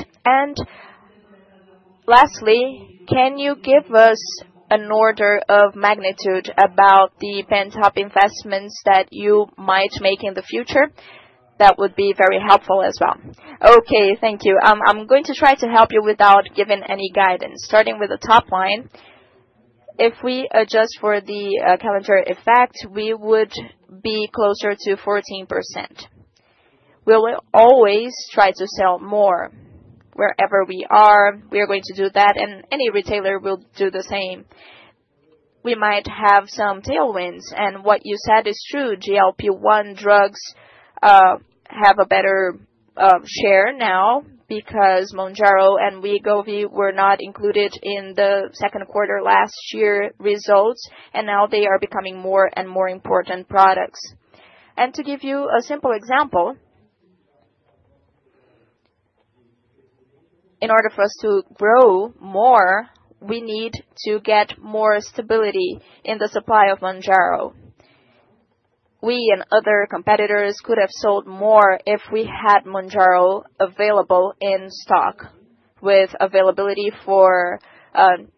[SPEAKER 6] Lastly, can you give us an order of magnitude about the pent-up investments that you might make in the future? That would be very helpful as well.
[SPEAKER 3] Thank you. I'm going to try to help you without giving any guidance. Starting with the top line, if we adjust for the calendar effect, we would be closer to 14%. We will always try to sell more wherever we are. We are going to do that. Any retailer will do the same. We might have some tailwinds. What you said is true. GLP-1 drugs have a better share now because Mounjaro and Wegovy were not included in the second quarter last year results. Now they are becoming more and more important products. To give you a simple example, in order for us to grow more, we need to get more stability in the supply of Mounjaro. We and other competitors could have sold more if we had Mounjaro available in stock with availability for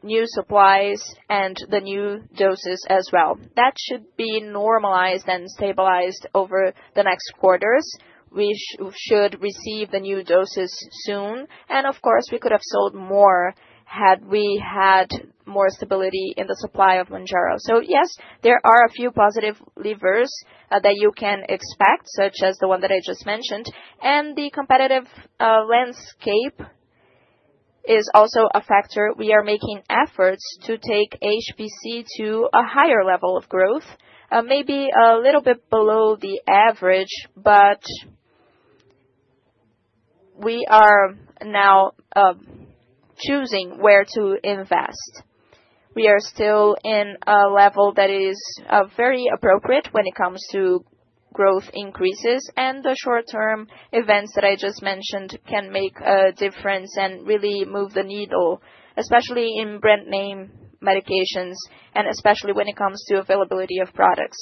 [SPEAKER 3] new supplies and the new doses as well. That should be normalized and stabilized over the next quarters. We should receive the new doses soon. Of course, we could have sold more had we had more stability in the supply of Mounjaro. Yes, there are a few positive levers that you can expect, such as the one that I just mentioned. The competitive landscape is also a factor. We are making efforts to take HPC to a higher level of growth, maybe a little bit below the average, but we are now choosing where to invest. We are still in a level that is very appropriate when it comes to growth increases. The short-term events that I just mentioned can make a difference and really move the needle, especially in brand name medications and especially when it comes to availability of products.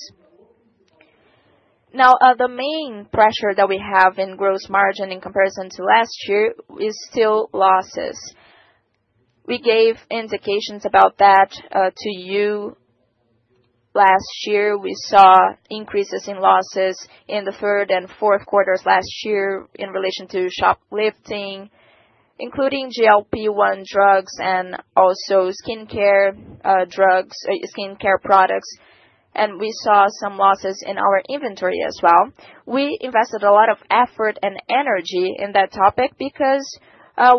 [SPEAKER 3] The main pressure that we have in gross margin in comparison to last year is still losses. We gave indications about that to you last year. We saw increases in losses in the third and fourth quarters last year in relation to shoplifting, including GLP-1 drugs and also skincare products. We saw some losses in our inventory as well. We invested a lot of effort and energy in that topic because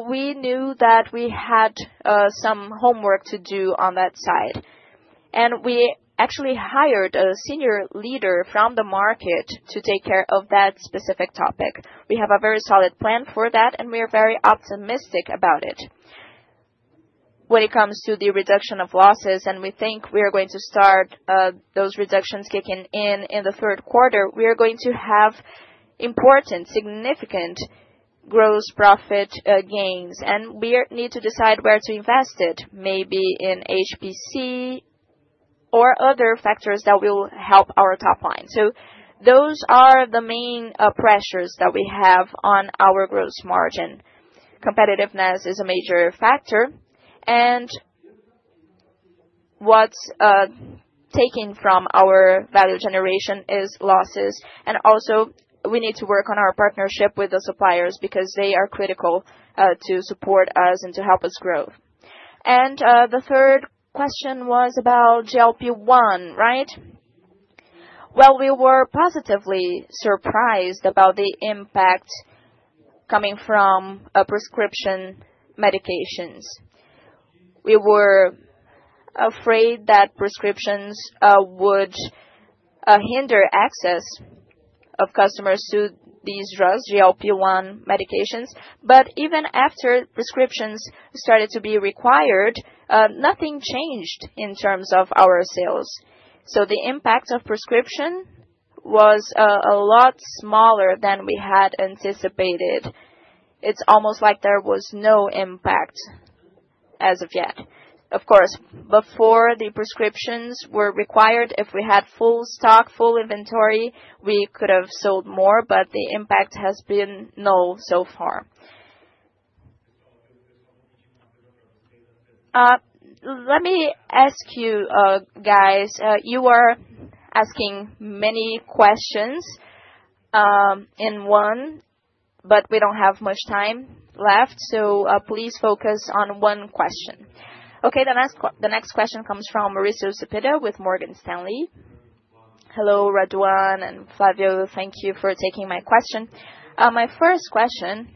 [SPEAKER 3] we knew that we had some homework to do on that side. We actually hired a senior leader from the market to take care of that specific topic. We have a very solid plan for that, and we are very optimistic about it. When it comes to the reduction of losses, we think we are going to start those reductions kicking in in the third quarter. We are going to have important, significant gross profit gains. We need to decide where to invest it, maybe in HPC or other factors that will help our top line. Those are the main pressures that we have on our gross margin. Competitiveness is a major factor. What is taking from our value generation is losses. We also need to work on our partnership with the suppliers because they are critical to support us and to help us grow. The third question was about GLP-1, right? We were positively surprised about the impact coming from prescription medications. We were afraid that prescriptions would hinder access of customers to these drugs, GLP-1 medications. Even after prescriptions started to be required, nothing changed in terms of our sales. The impact of prescription was a lot smaller than we had anticipated. It is almost like there was no impact as of yet. Of course, before the prescriptions were required, if we had full stock, full inventory, we could have sold more, but the impact has been null so far.
[SPEAKER 1] Let me ask you, guys. You are asking many questions in one, but we don't have much time left. Please focus on one question. Okay. The next question comes from Mauricio Cepeda with Morgan Stanley.
[SPEAKER 7] Hello, Raduan and Flavio. Thank you for taking my question. My first question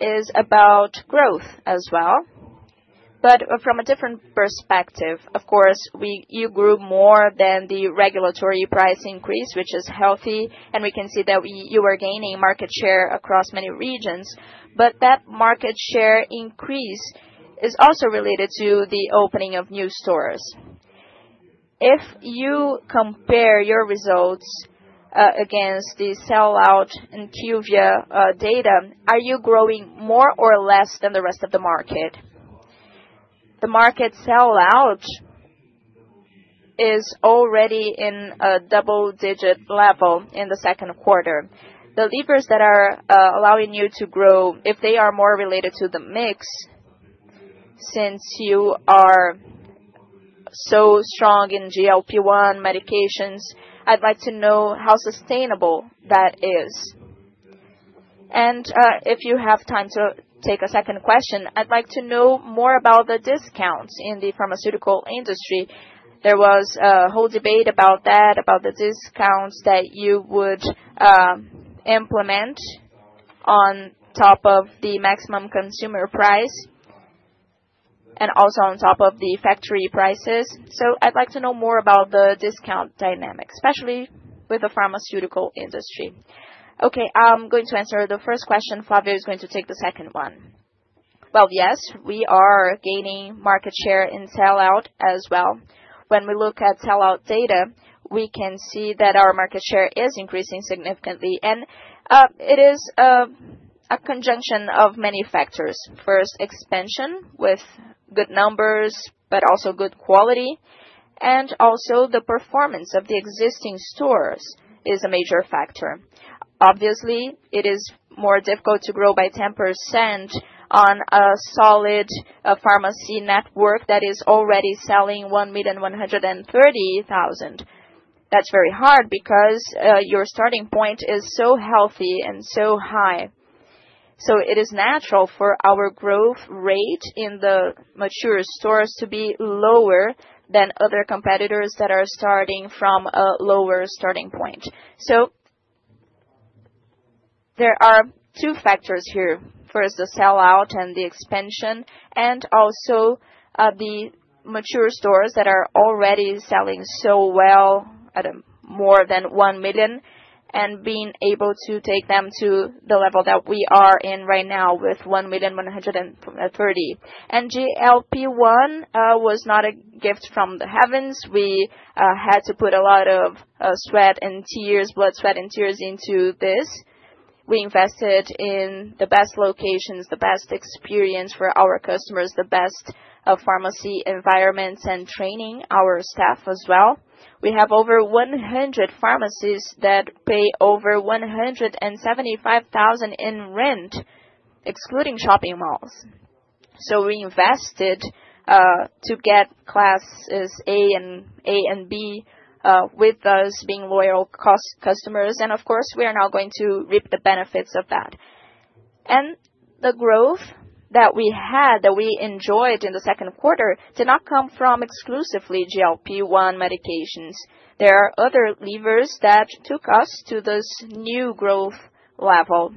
[SPEAKER 7] is about growth as well, but from a different perspective. Of course, you grew more than the regulatory price increase, which is healthy. We can see that you were gaining market share across many regions. That market share increase is also related to the opening of new stores. If you compare your results against the sellout in QVIA data, are you growing more or less than the rest of the market? The market sellout is already in a double-digit level in the second quarter. The levers that are allowing you to grow, if they are more related to the mix, since you are so strong in GLP-1 medications, I'd like to know how sustainable that is. If you have time to take a second question, I'd like to know more about the discounts in the pharmaceutical industry. There was a whole debate about that, about the discounts that you would implement on top of the maximum consumer price and also on top of the factory prices. I'd like to know more about the discount dynamics, especially with the pharmaceutical industry.
[SPEAKER 2] Okay. I'm going to answer the first question. Flavio is going to take the second one. Yes, we are gaining market share in sellout as well. When we look at sellout data, we can see that our market share is increasing significantly. It is a conjunction of many factors. First, expansion with good numbers, but also good quality. Also, the performance of the existing stores is a major factor. Obviously, it is more difficult to grow by 10% on a solid pharmacy network that is already selling $1,130,000. That's very hard because your starting point is so healthy and so high. It is natural for our growth rate in the mature stores to be lower than other competitors that are starting from a lower starting point. There are two factors here. First, the sellout and the expansion, and also the mature stores that are already selling so well, I don't know, more than $1 million, and being able to take them to the level that we are in right now with $1,130,000. GLP-1 was not a gift from the heavens. We had to put a lot of sweat and tears, blood, sweat, and tears into this. We invested in the best locations, the best experience for our customers, the best pharmacy environments, and training our staff as well. We have over 100 pharmacies that pay over R$175,000 in rent, excluding shopping malls. We invested to get classes A and B with us being loyal customers. Of course, we are now going to reap the benefits of that. The growth that we had, that we enjoyed in the second quarter, did not come from exclusively GLP-1 medications. There are other levers that took us to this new growth level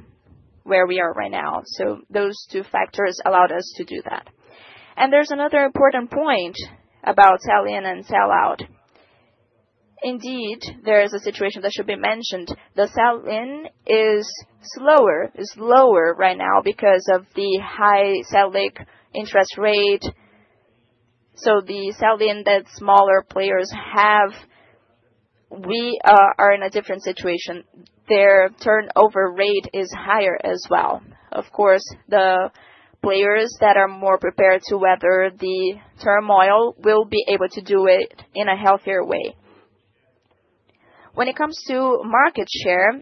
[SPEAKER 2] where we are right now. Those two factors allowed us to do that. There's another important point about sell-in and sellout. Indeed, there is a situation that should be mentioned. The sell-in is slower, is lower right now because of the high sell-in interest rate. The sell-in that smaller players have, we are in a different situation. Their turnover rate is higher as well. The players that are more prepared to weather the turmoil will be able to do it in a healthier way. When it comes to market share,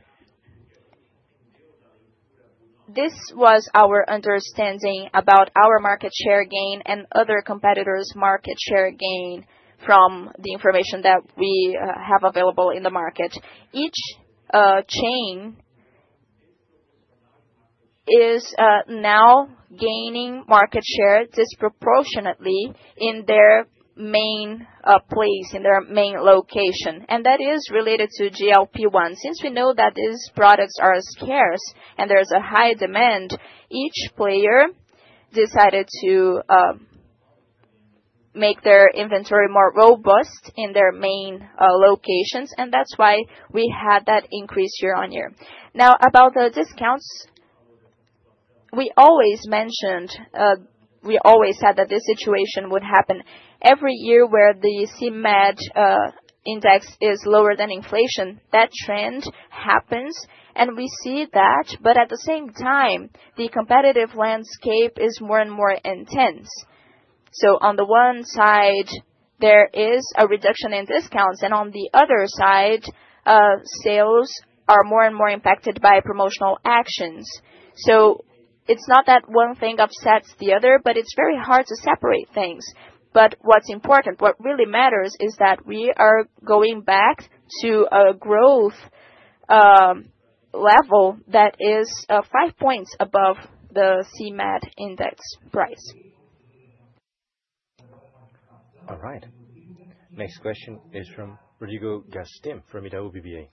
[SPEAKER 2] this was our understanding about our market share gain and other competitors' market share gain from the information that we have available in the market. Each chain is now gaining market share disproportionately in their main place, in their main location. That is related to GLP-1. Since we know that these products are scarce and there's a high demand, each player decided to make their inventory more robust in their main locations. That's why we had that increase year-on-year. Now, about the discounts, we always mentioned, we always said that this situation would happen every year where the CMED index is lower than inflation. That trend happens. We see that. At the same time, the competitive landscape is more and more intense. On the one side, there is a reduction in discounts. On the other side, sales are more and more impacted by promotional actions. It's not that one thing upsets the other, but it's very hard to separate things. What's important, what really matters is that we are going back to a growth level that is 5% above the CMED index price.
[SPEAKER 1] All right. Next question is from Rodrigo Gastin from Itaú BBVA.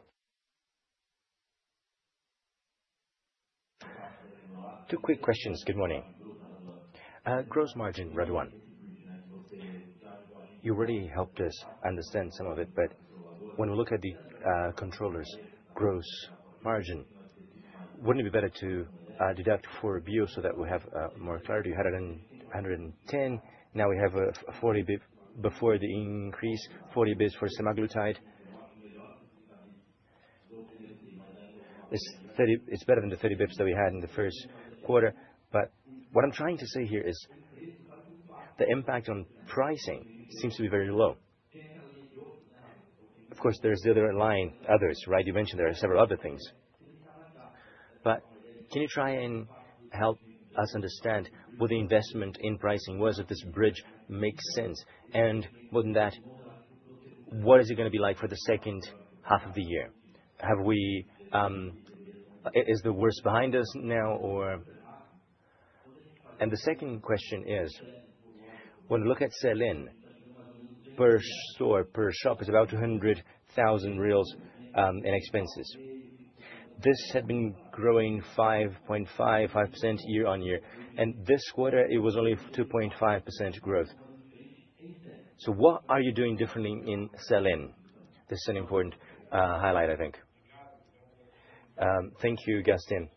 [SPEAKER 8] Two quick questions. Good morning. Gross margin, Raduan. You already helped us understand some of it. When we look at the controllers' gross margin, wouldn't it be better to deduct for Bio so that we have more clarity? 110. Now we have 40 bps before the increase, 40 bps for semaglutide. It's better than the 30 bps that we had in the first quarter. What I'm trying to say here is the impact on pricing seems to be very low. Of course, there's the other line, others, right? You mentioned there are several other things. Can you try and help us understand what the investment in pricing was if this bridge makes sense? What is it going to be like for the second half of the year? Is the worst behind us now? The second question is, when we look at sell-in, per store, per shop, it's about R$200,000 in expenses. This had been growing 5.5% year-on-year. This quarter, it was only 2.5% growth. What are you doing differently in sell-in? This is an important highlight, I think.
[SPEAKER 2] Thank you, Gastin.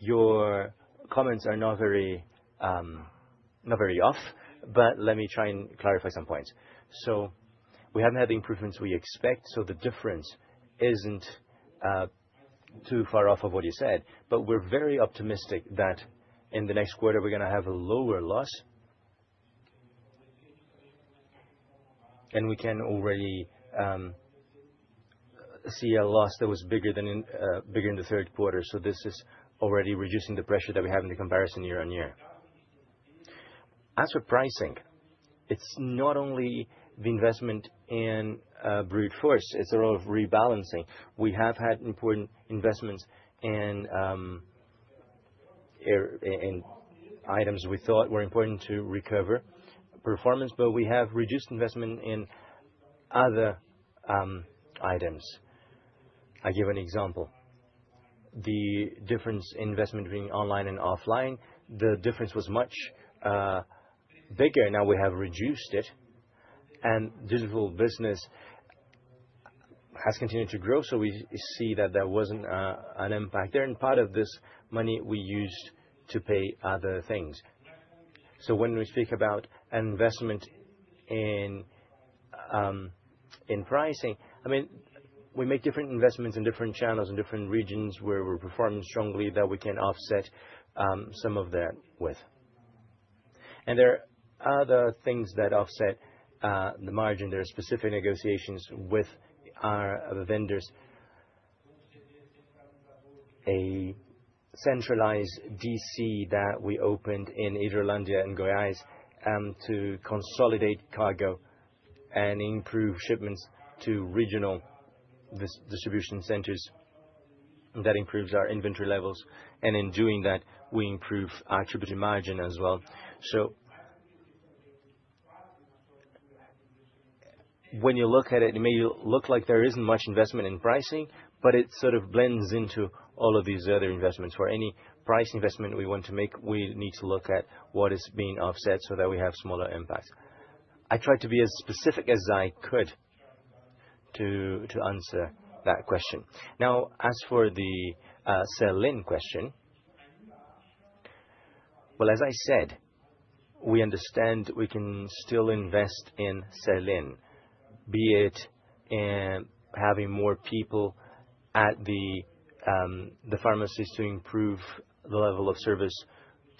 [SPEAKER 2] Your comments are not very off, but let me try and clarify some points. We haven't had the improvements we expect. The difference isn't too far off of what you said. We're very optimistic that in the next quarter, we're going to have a lower loss. We can already see a loss that was bigger than in the third quarter. This is already reducing the pressure that we have in the comparison year-on-year. As for pricing, it's not only the investment in brute force. It's the role of rebalancing. We have had important investments in items we thought were important to recover performance, but we have reduced investment in other items. I'll give an example. The difference in investment being online and offline, the difference was much bigger. Now we have reduced it. Digital business has continued to grow. We see that there wasn't an impact there. Part of this money we used to pay other things. When we speak about investment in pricing, we make different investments in different channels and different regions where we're performing strongly that we can offset some of that with. There are other things that offset the margin. There are specific negotiations with our vendors, a centralized DC that we opened in Uberlândia and Goiás to consolidate cargo and improve shipments to regional distribution centers that improves our inventory levels. In doing that, we improve our attributive margin as well. When you look at it, it may look like there isn't much investment in pricing, but it sort of blends into all of these other investments. For any price investment we want to make, we need to look at what is being offset so that we have smaller impacts. I tried to be as specific as I could to answer that question. As for the Celene question, as I said, we understand we can still invest in Celene, be it in having more people at the pharmacies to improve the level of service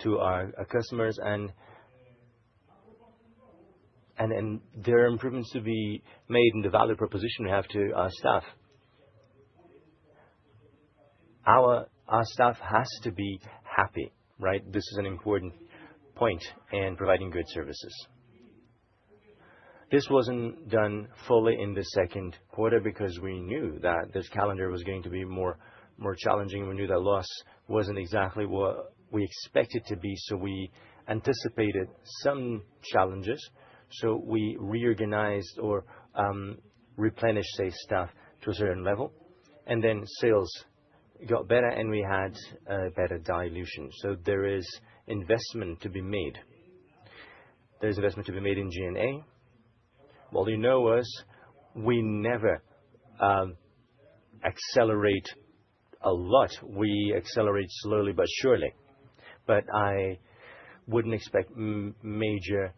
[SPEAKER 2] to our customers and their improvements to be made in the value proposition we have to our staff. Our staff has to be happy, right? This is an important point in providing good services. This wasn't done fully in the second quarter because we knew that this calendar was going to be more challenging. We knew that loss wasn't exactly what we expected to be, so we anticipated some challenges. We reorganized or replenished, say, staff to a certain level, and then sales got better and we had a better dilution. There is investment to be made. There is investment to be made in G&A. You know us. We never accelerate a lot. We accelerate slowly but surely. I wouldn't expect major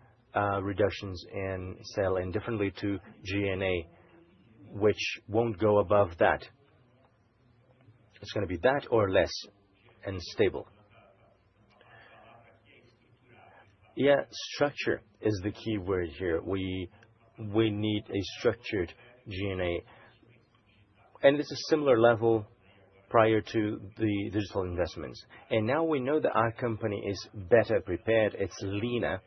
[SPEAKER 2] reductions in Celene, differently to G&A, which won't go above that. It's going to be that or less and stable. Yeah. Yeah. Structure is the key word here. We need a structured G&A. This is a similar level prior to the digital investments. Now we know that our company is better prepared. It's leaner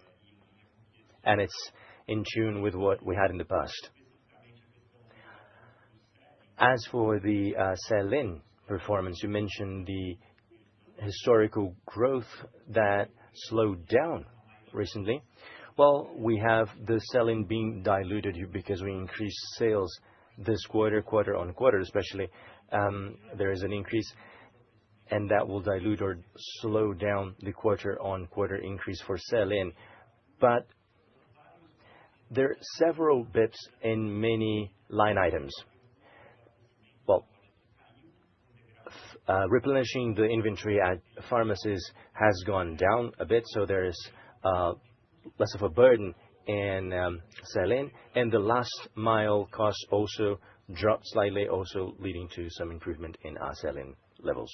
[SPEAKER 2] and it's in tune with what we had in the past. As for the Celene performance, you mentioned the historical growth that slowed down recently. We have the Celene being diluted here because we increased sales this quarter, quarter on quarter, especially. There is an increase, and that will dilute or slow down the quarter on quarter increase for Celene. There are several bits in many line items. Replenishing the inventory at pharmacies has gone down a bit, so there is less of a burden in Celene. The last mile cost also dropped slightly, also leading to some improvement in our Celene levels.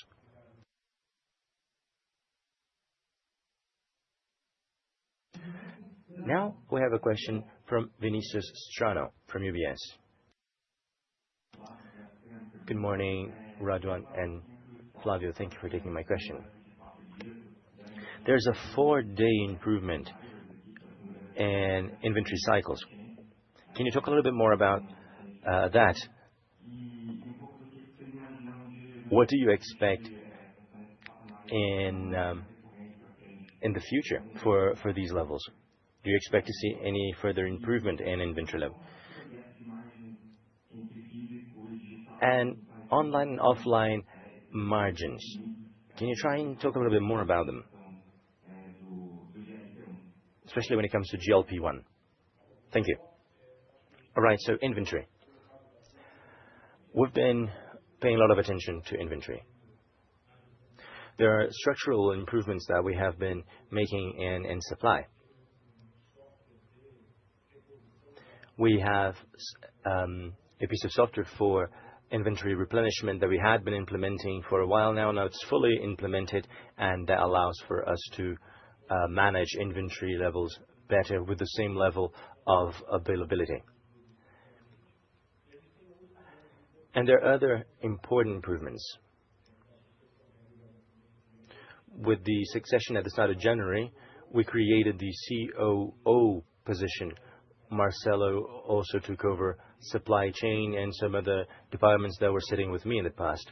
[SPEAKER 1] Now we have a question from Vinicius Strano from UBS.
[SPEAKER 9] Good morning, Raduan and Flavio. Thank you for taking my question. There's a four-day improvement in inventory cycles. Can you talk a little bit more about that? What do you expect in the future for these levels? Do you expect to see any further improvement in inventory level? Yeah. Online and offline margins. Can you try and talk a little bit more about them? Especially when it comes to GLP-1. Thank you.
[SPEAKER 2] All right. Inventory. We've been paying a lot of attention to inventory. There are structural improvements that we have been making in supply. We have a piece of software for inventory replenishment that we had been implementing for a while now. Now it's fully implemented, and that allows for us to manage inventory levels better with the same level of availability. There are other important improvements. With the succession at the start of January, we created the COO position. Marcílio also took over supply chain and some of the departments that were sitting with me in the past.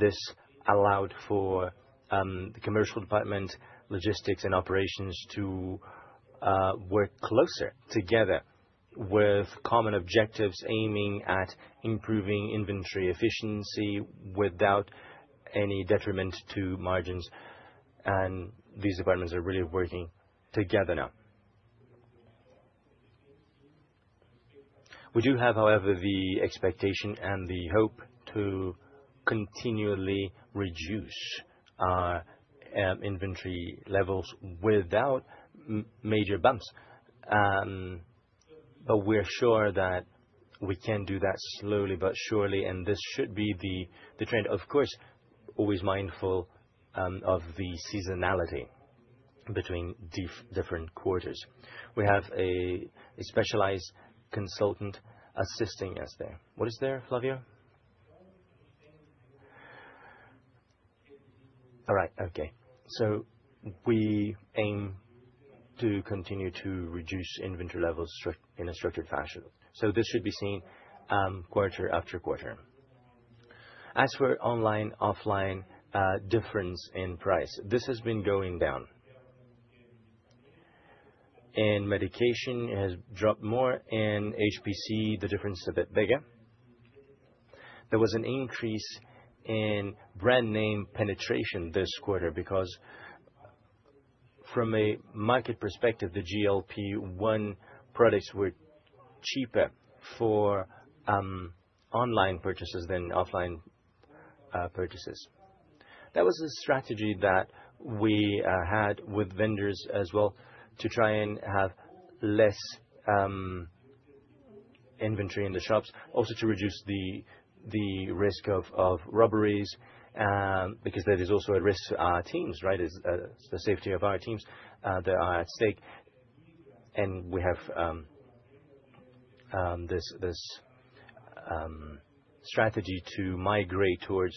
[SPEAKER 2] This allowed for the commercial department, logistics, and operations to work closer together with common objectives aiming at improving inventory efficiency without any detriment to margins. These departments are really working together now. We do have, however, the expectation and the hope to continually reduce our inventory levels without major bumps. We're sure that we can do that slowly but surely, and this should be the trend. Of course, always mindful of the seasonality between different quarters. We have a specialized consultant assisting us there. What is there, Flavio? All right. We aim to continue to reduce inventory levels in a structured fashion. This should be seen quarter after quarter. As for online/offline difference in price, this has been going down. In medication, it has dropped more. In HPC, the difference is a bit bigger. There was an increase in brand name penetration this quarter because, from a market perspective, the GLP-1 products were cheaper for online purchases than offline purchases. That was a strategy that we had with vendors as well to try and have less inventory in the shops, also to reduce the risk of robberies because that is also a risk to our teams, right? It's the safety of our teams that are at stake. We have this strategy to migrate towards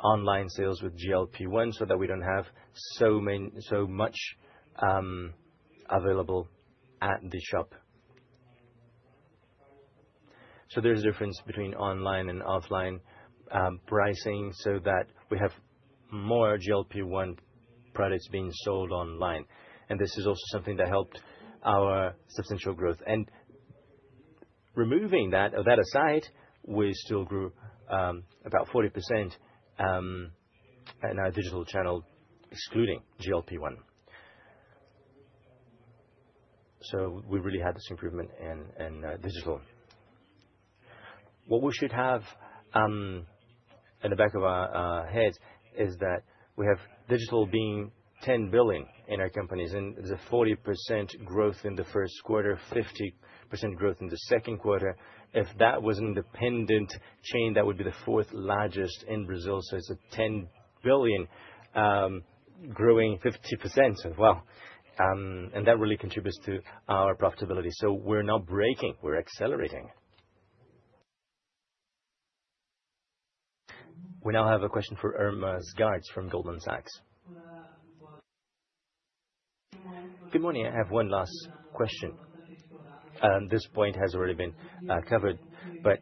[SPEAKER 2] online sales with GLP-1 so that we don't have so much available at the shop. There's a difference between online and offline pricing so that we have more GLP-1 products being sold online. This is also something that helped our substantial growth. Removing that aside, we still grew about 40% in our digital channel, excluding GLP-1. We really had this improvement in digital. What we should have in the back of our heads is that we have digital being $10 billion in our companies, and the 40% growth in the first quarter, 50% growth in the second quarter. If that was an independent chain, that would be the fourth largest in Brazil. It's a $10 billion growing 50% as well, and that really contributes to our profitability. We're not breaking. We're accelerating.
[SPEAKER 1] We now have a question for Irma Sgarz from Goldman Sachs.
[SPEAKER 10] Good morning. I have one last question. This point has already been covered, but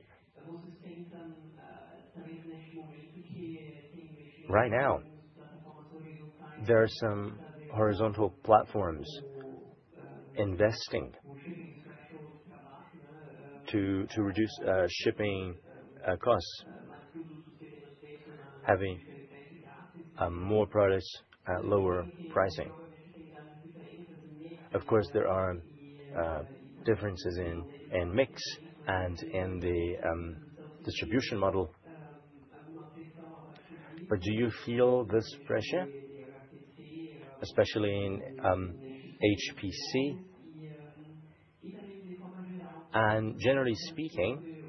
[SPEAKER 10] right now, there are some horizontal platforms investing to reduce shipping costs, having more products at lower pricing. Of course, there are differences in mix and in the distribution model. Do you feel this pressure, especially in HPC? Generally speaking,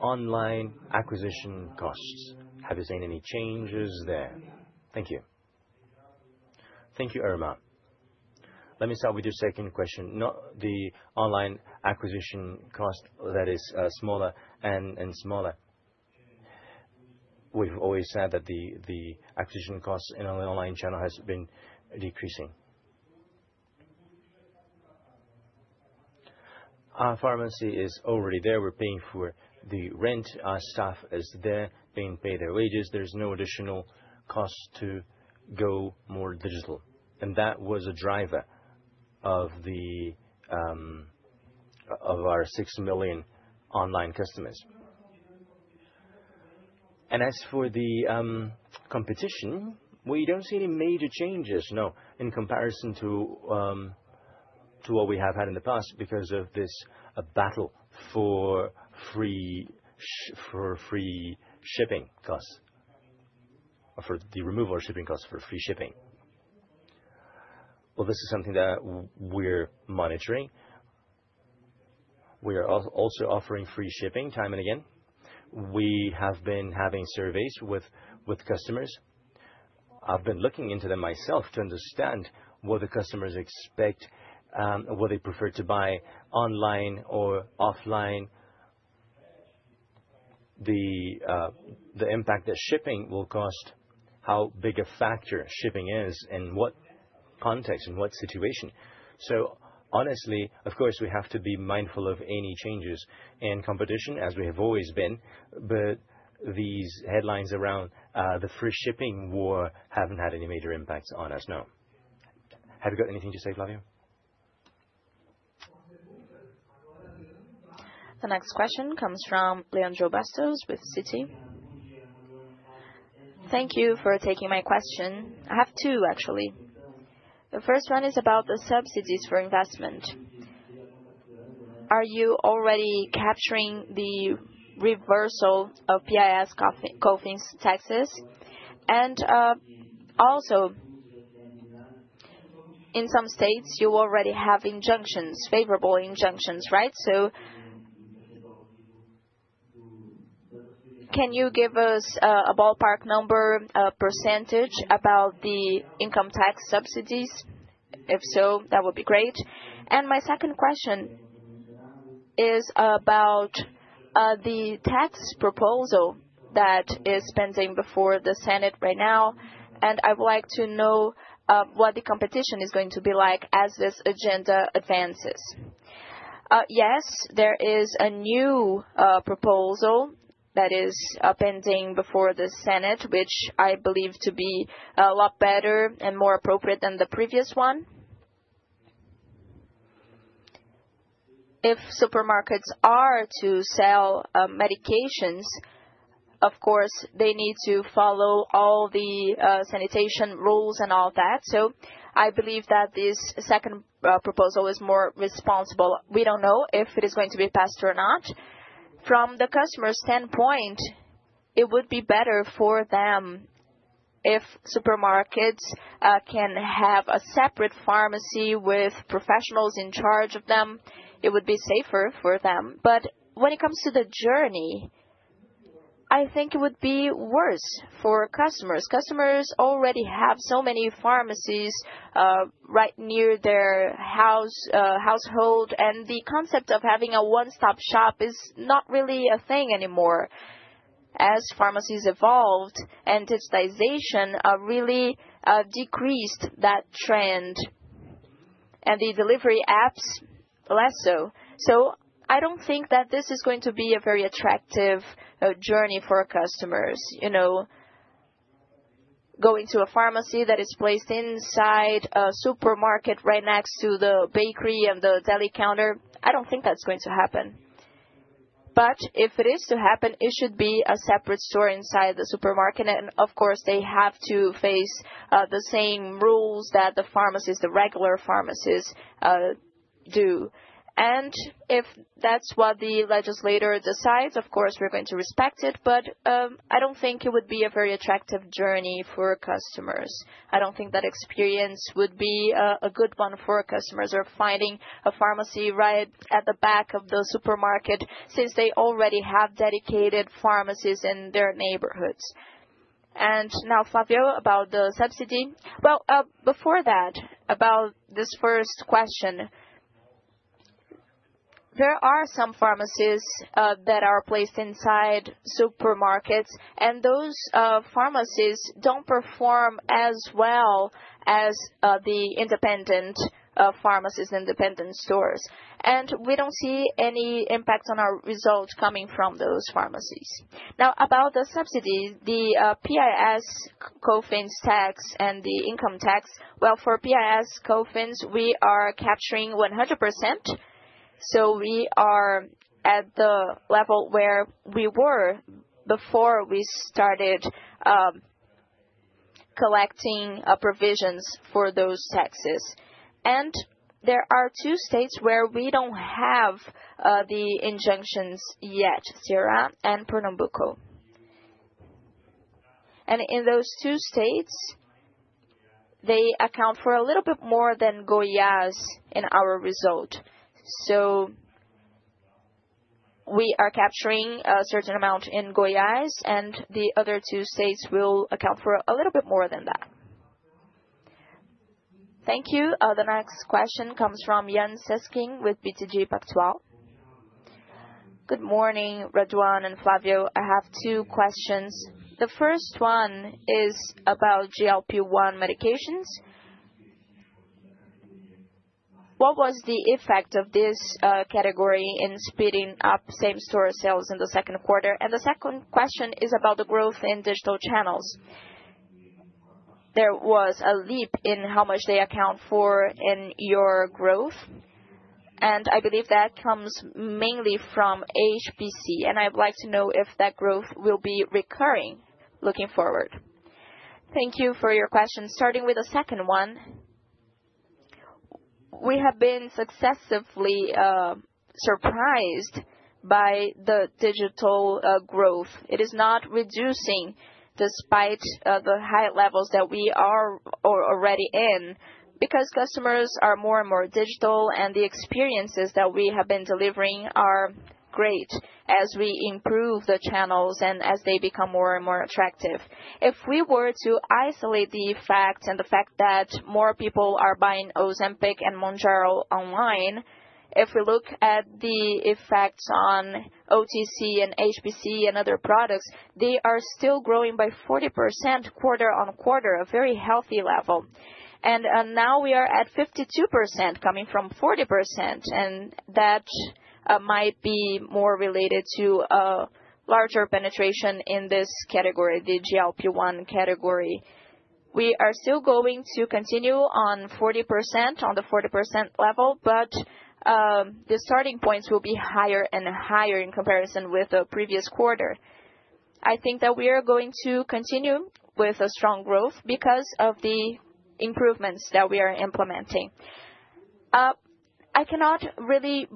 [SPEAKER 10] online acquisition costs, have you seen any changes there? Thank you.
[SPEAKER 2] Thank you, Irma. Let me start with your second question. Not the online acquisition cost that is smaller and smaller. We've always said that the acquisition cost in an online channel has been decreasing. Our pharmacy is already there. We're paying for the rent. Our staff is there, being paid their wages. There's no additional cost to go more digital, and that was a driver of our 6 million online customers. As for the competition, we don't see any major changes, no, in comparison to what we have had in the past because of this battle for free shipping costs or for the removal of shipping costs for free shipping. This is something that we're monitoring. We are also offering free shipping time and again. We have been having surveys with customers. I've been looking into them myself to understand what the customers expect, what they prefer to buy online or offline, the impact that shipping will cost, how big a factor shipping is, in what context and what situation. Honestly, of course, we have to be mindful of any changes in competition, as we have always been. These headlines around the free shipping war haven't had any major impacts on us, no. Have you got anything to say, Flavio?
[SPEAKER 3] The next question comes from Leandro Bastos with Citi.
[SPEAKER 11] Thank you for taking my question. I have two, actually. The first one is about the subsidies for investment. Are you already capturing the reversal of PIS COFINS taxes? Also, in some states, you already have injunctions, favorable injunctions, right? Can you give us a ballpark number, a percentage about the income tax subsidies? If so, that would be great. My second question is about the tax proposal that is pending before the Senate right now. I would like to know what the competition is going to be like as this agenda advances.
[SPEAKER 2] Yes, there is a new proposal that is pending before the Senate, which I believe to be a lot better and more appropriate than the previous one. If supermarkets are to sell medications, of course, they need to follow all the sanitation rules and all that. I believe that this second proposal is more responsible. We do not know if it is going to be faster or not. From the customer's standpoint, it would be better for them if supermarkets can have a separate pharmacy with professionals in charge of them. It would be safer for them. When it comes to the journey, I think it would be worse for customers. Customers already have so many pharmacies right near their household, and the concept of having a one-stop shop is not really a thing anymore. As pharmacies evolved, and digitization really decreased that trend, and the delivery apps less so. I do not think that this is going to be a very attractive journey for customers. You know, going to a pharmacy that is placed inside a supermarket right next to the bakery and the deli counter, I do not think that is going to happen. If it is to happen, it should be a separate store inside the supermarket. Of course, they have to face the same rules that the pharmacies, the regular pharmacies, do. If that is what the legislator decides, of course, we are going to respect it. I do not think it would be a very attractive journey for customers. I do not think that experience would be a good one for customers who are finding a pharmacy right at the back of the supermarket since they already have dedicated pharmacies in their neighborhoods. Now, Flavio, about the subsidy.
[SPEAKER 3] Before that, about this first question, there are some pharmacies that are placed inside supermarkets, and those pharmacies do not perform as well as the independent pharmacies, independent stores. We don't see any impacts on our results coming from those pharmacies. Now, about the subsidy, the PIS COFINS tax, and the income tax. For PIS COFINS, we are capturing 100%. We are at the level where we were before we started collecting provisions for those taxes. There are two states where we don't have the injunctions yet, Ceará and Pernambuco. In those two states, they account for a little bit more than Goiás in our result. We are capturing a certain amount in Goiás, and the other two states will account for a little bit more than that.
[SPEAKER 1] Thank you. The next question comes from Luiz Guanais with BTG Pactual.
[SPEAKER 12] Good morning, Raduan and Flavio. I have two questions. The first one is about GLP-1 medications. What was the effect of this category in speeding up same-store sales in the second quarter? The second question is about the growth in digital channels. There was a leap in how much they account for in your growth, and I believe that comes mainly from HPC. I would like to know if that growth will be recurring looking forward.
[SPEAKER 2] Thank you for your question. Starting with the second one, we have been successively surprised by the digital growth. It is not reducing despite the high levels that we are already in because customers are more and more digital, and the experiences that we have been delivering are great as we improve the channels and as they become more and more attractive. If we were to isolate the effect and the fact that more people are buying Ozempic and Mounjaro online, if we look at the effects on OTC and HPC and other products, they are still growing by 40% quarter on quarter, a very healthy level. Now we are at 52% coming from 40%, and that might be more related to a larger penetration in this category, the GLP-1 category. We are still going to continue on 40%, on the 40% level, but the starting points will be higher and higher in comparison with the previous quarter. I think that we are going to continue with a strong growth because of the improvements that we are implementing. I cannot really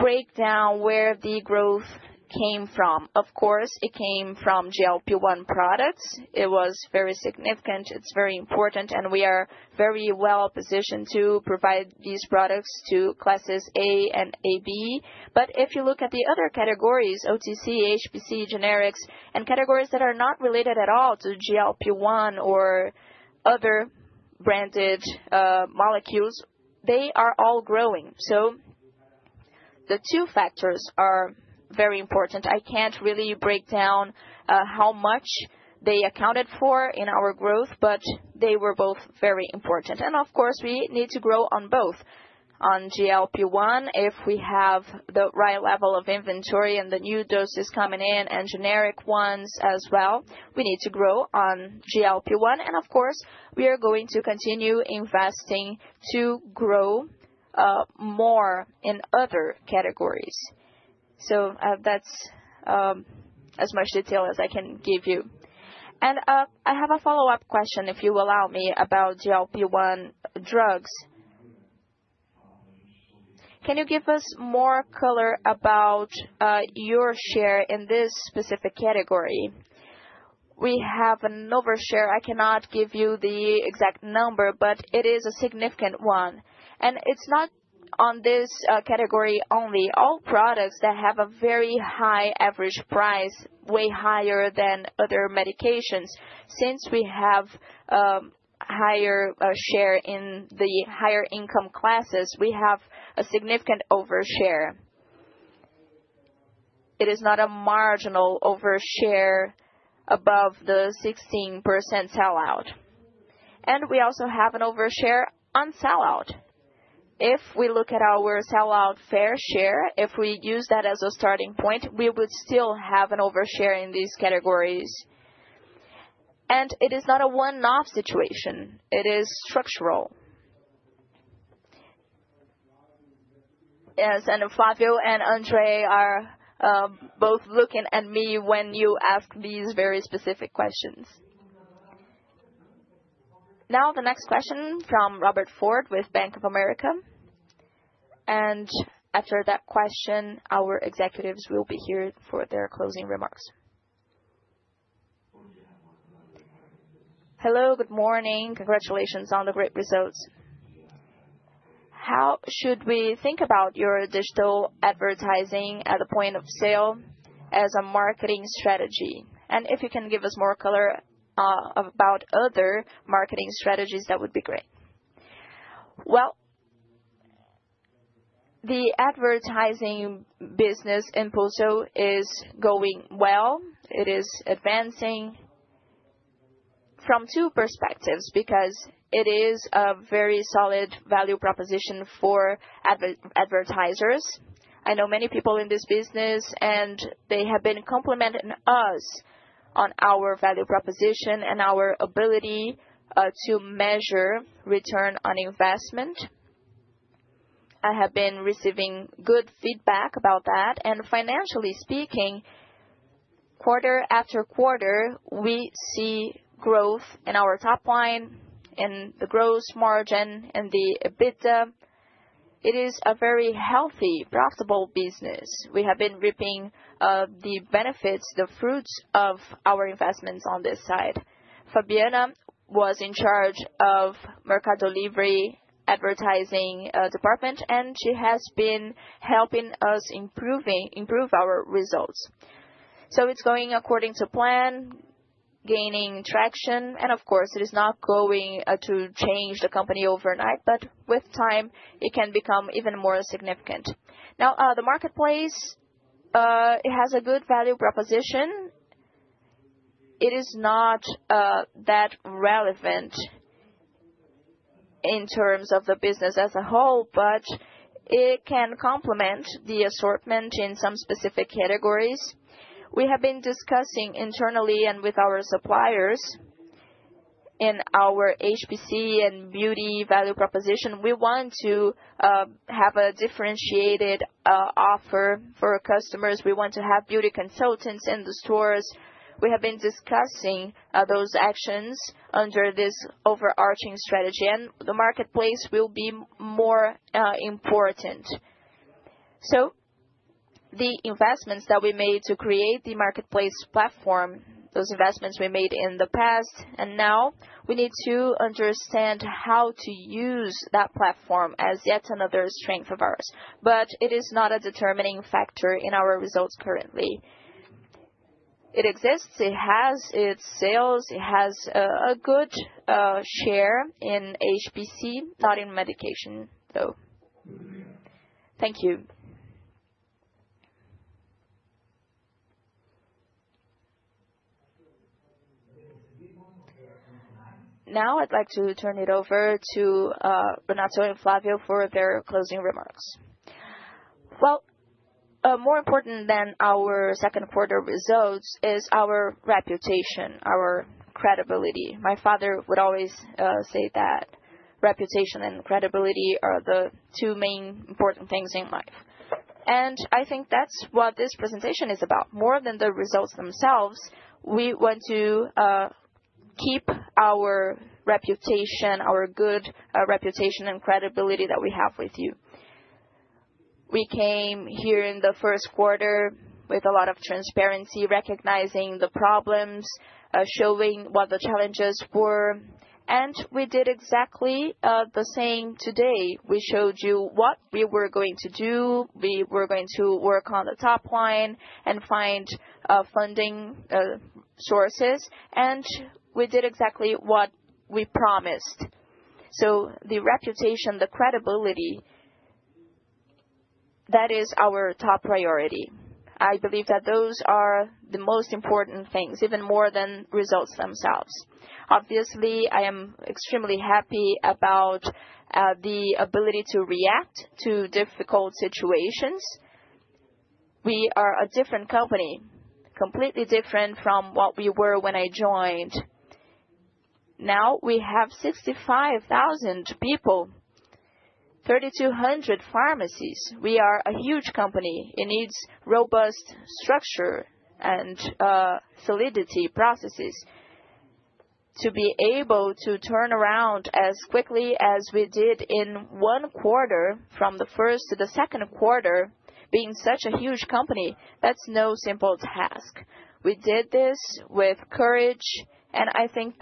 [SPEAKER 2] break down where the growth came from. Of course, it came from GLP-1 products. It was very significant. It's very important. We are very well positioned to provide these products to classes A and AB. If you look at the other categories, OTC, HPC, generics, and categories that are not related at all to GLP-1 or other branded molecules, they are all growing. The two factors are very important. I can't really break down how much they accounted for in our growth, but they were both very important. Of course, we need to grow on both. On GLP-1, if we have the right level of inventory and the new doses coming in and generic ones as well, we need to grow on GLP-1. Of course, we are going to continue investing to grow more in other categories. That's as much detail as I can give you.
[SPEAKER 12] I have a follow-up question, if you will allow me, about GLP-1 drugs. Can you give us more color about your share in this specific category?
[SPEAKER 2] We have an over-share. I cannot give you the exact number, but it is a significant one. It's not on this category only. All products that have a very high average price, way higher than other medications, since we have a higher share in the higher income classes, we have a significant over-share. It is not a marginal over-share above the 16% sell-out. We also have an over-share on sell-out. If we look at our sell-out fair share, if we use that as a starting point, we would still have an over-share in these categories. It is not a one-off situation. It is structural. Yes. Flavio and Andre are both looking at me when you ask these very specific questions.
[SPEAKER 1] The next question from Robert Ford with Bank of America. After that question, our executives will be here for their closing remarks.
[SPEAKER 13] Hello. Good morning. Congratulations on the great results. How should we think about your digital advertising at the point of sale as a marketing strategy? If you can give us more color about other marketing strategies, that would be great.
[SPEAKER 2] The advertising business in Pozo is going well. It is advancing from two perspectives because it is a very solid value proposition for advertisers. I know many people in this business, and they have been complimenting us on our value proposition and our ability to measure return on investment. I have been receiving good feedback about that. Financially speaking, quarter after quarter, we see growth in our top line and the gross margin and the EBITDA. It is a very healthy, profitable business. We have been reaping the benefits, the fruits of our investments on this side. Fabiana was in charge of MercadoLibre advertising department, and she has been helping us improve our results. It's going according to plan, gaining traction. It is not going to change the company overnight, but with time, it can become even more significant. Now, the marketplace, it has a good value proposition. It is not that relevant in terms of the business as a whole, but it can complement the assortment in some specific categories. We have been discussing internally and with our suppliers in our HPC and beauty value proposition. We want to have a differentiated offer for our customers. We want to have beauty consultants in the stores. We have been discussing those actions under this overarching strategy. The marketplace will be more important. The investments that we made to create the marketplace platform, those investments we made in the past, and now we need to understand how to use that platform as yet another strength of ours. It is not a determining factor in our results currently. It exists. It has its sales. It has a good share in HPC, not in medication, though.
[SPEAKER 13] Thank you.
[SPEAKER 1] Now, I'd like to turn it over to Renato and Flavio for their closing remarks.
[SPEAKER 2] More important than our second quarter results is our reputation, our credibility. My father would always say that reputation and credibility are the two main important things in life. I think that's what this presentation is about. More than the results themselves, we want to keep our reputation, our good reputation, and credibility that we have with you. We came here in the first quarter with a lot of transparency, recognizing the problems, showing what the challenges were. We did exactly the same today. We showed you what we were going to do. We were going to work on the top line and find funding sources. We did exactly what we promised. The reputation, the credibility, that is our top priority. I believe that those are the most important things, even more than results themselves. Obviously, I am extremely happy about the ability to react to difficult situations. We are a different company, completely different from what we were when I joined. Now we have 65,000 people, 3,200 pharmacies. We are a huge company. It needs robust structure and solidity processes to be able to turn around as quickly as we did in one quarter from the first to the second quarter. Being such a huge company, that's no simple task. We did this with courage. I think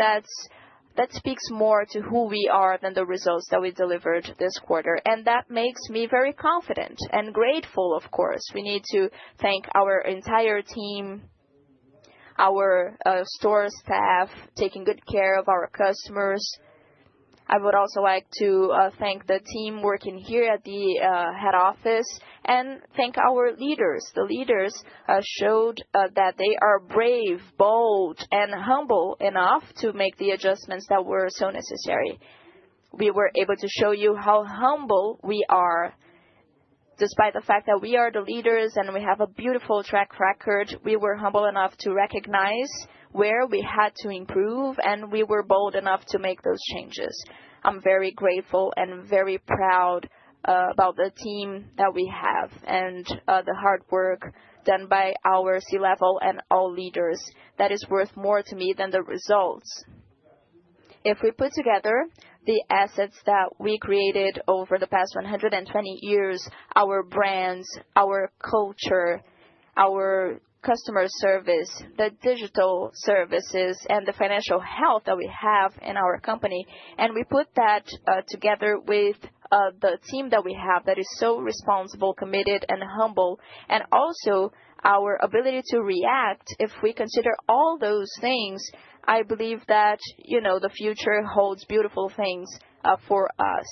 [SPEAKER 2] that speaks more to who we are than the results that we delivered this quarter. That makes me very confident and grateful, of course. We need to thank our entire team, our store staff, taking good care of our customers. I would also like to thank the team working here at the head office and thank our leaders. The leaders showed that they are brave, bold, and humble enough to make the adjustments that were so necessary. We were able to show you how humble we are. Despite the fact that we are the leaders and we have a beautiful track record, we were humble enough to recognize where we had to improve, and we were bold enough to make those changes. I'm very grateful and very proud about the team that we have and the hard work done by our C-level and all leaders. That is worth more to me than the results. If we put together the assets that we created over the past 120 years, our brands, our culture, our customer service, the digital services, and the financial health that we have in our company, and we put that together with the team that we have that is so responsible, committed, and humble, and also our ability to react, if we consider all those things, I believe that the future holds beautiful things for us.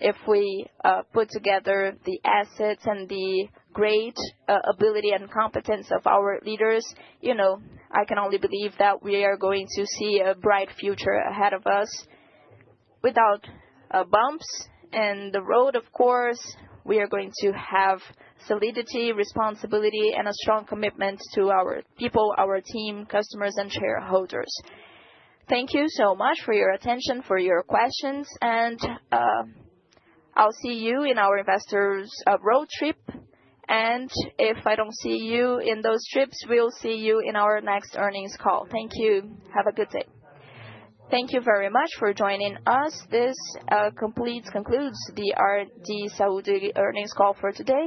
[SPEAKER 2] If we put together the assets and the great ability and competence of our leaders, you know I can only believe that we are going to see a bright future ahead of us without bumps in the road. Of course, we are going to have solidity, responsibility, and a strong commitment to our people, our team, customers, and shareholders. Thank you so much for your attention, for your questions. I'll see you in our investors' road trip. If I don't see you in those trips, we'll see you in our next earnings call. Thank you. Have a good day.
[SPEAKER 1] Thank you very much for joining us. This RD Saúde earnings call for today.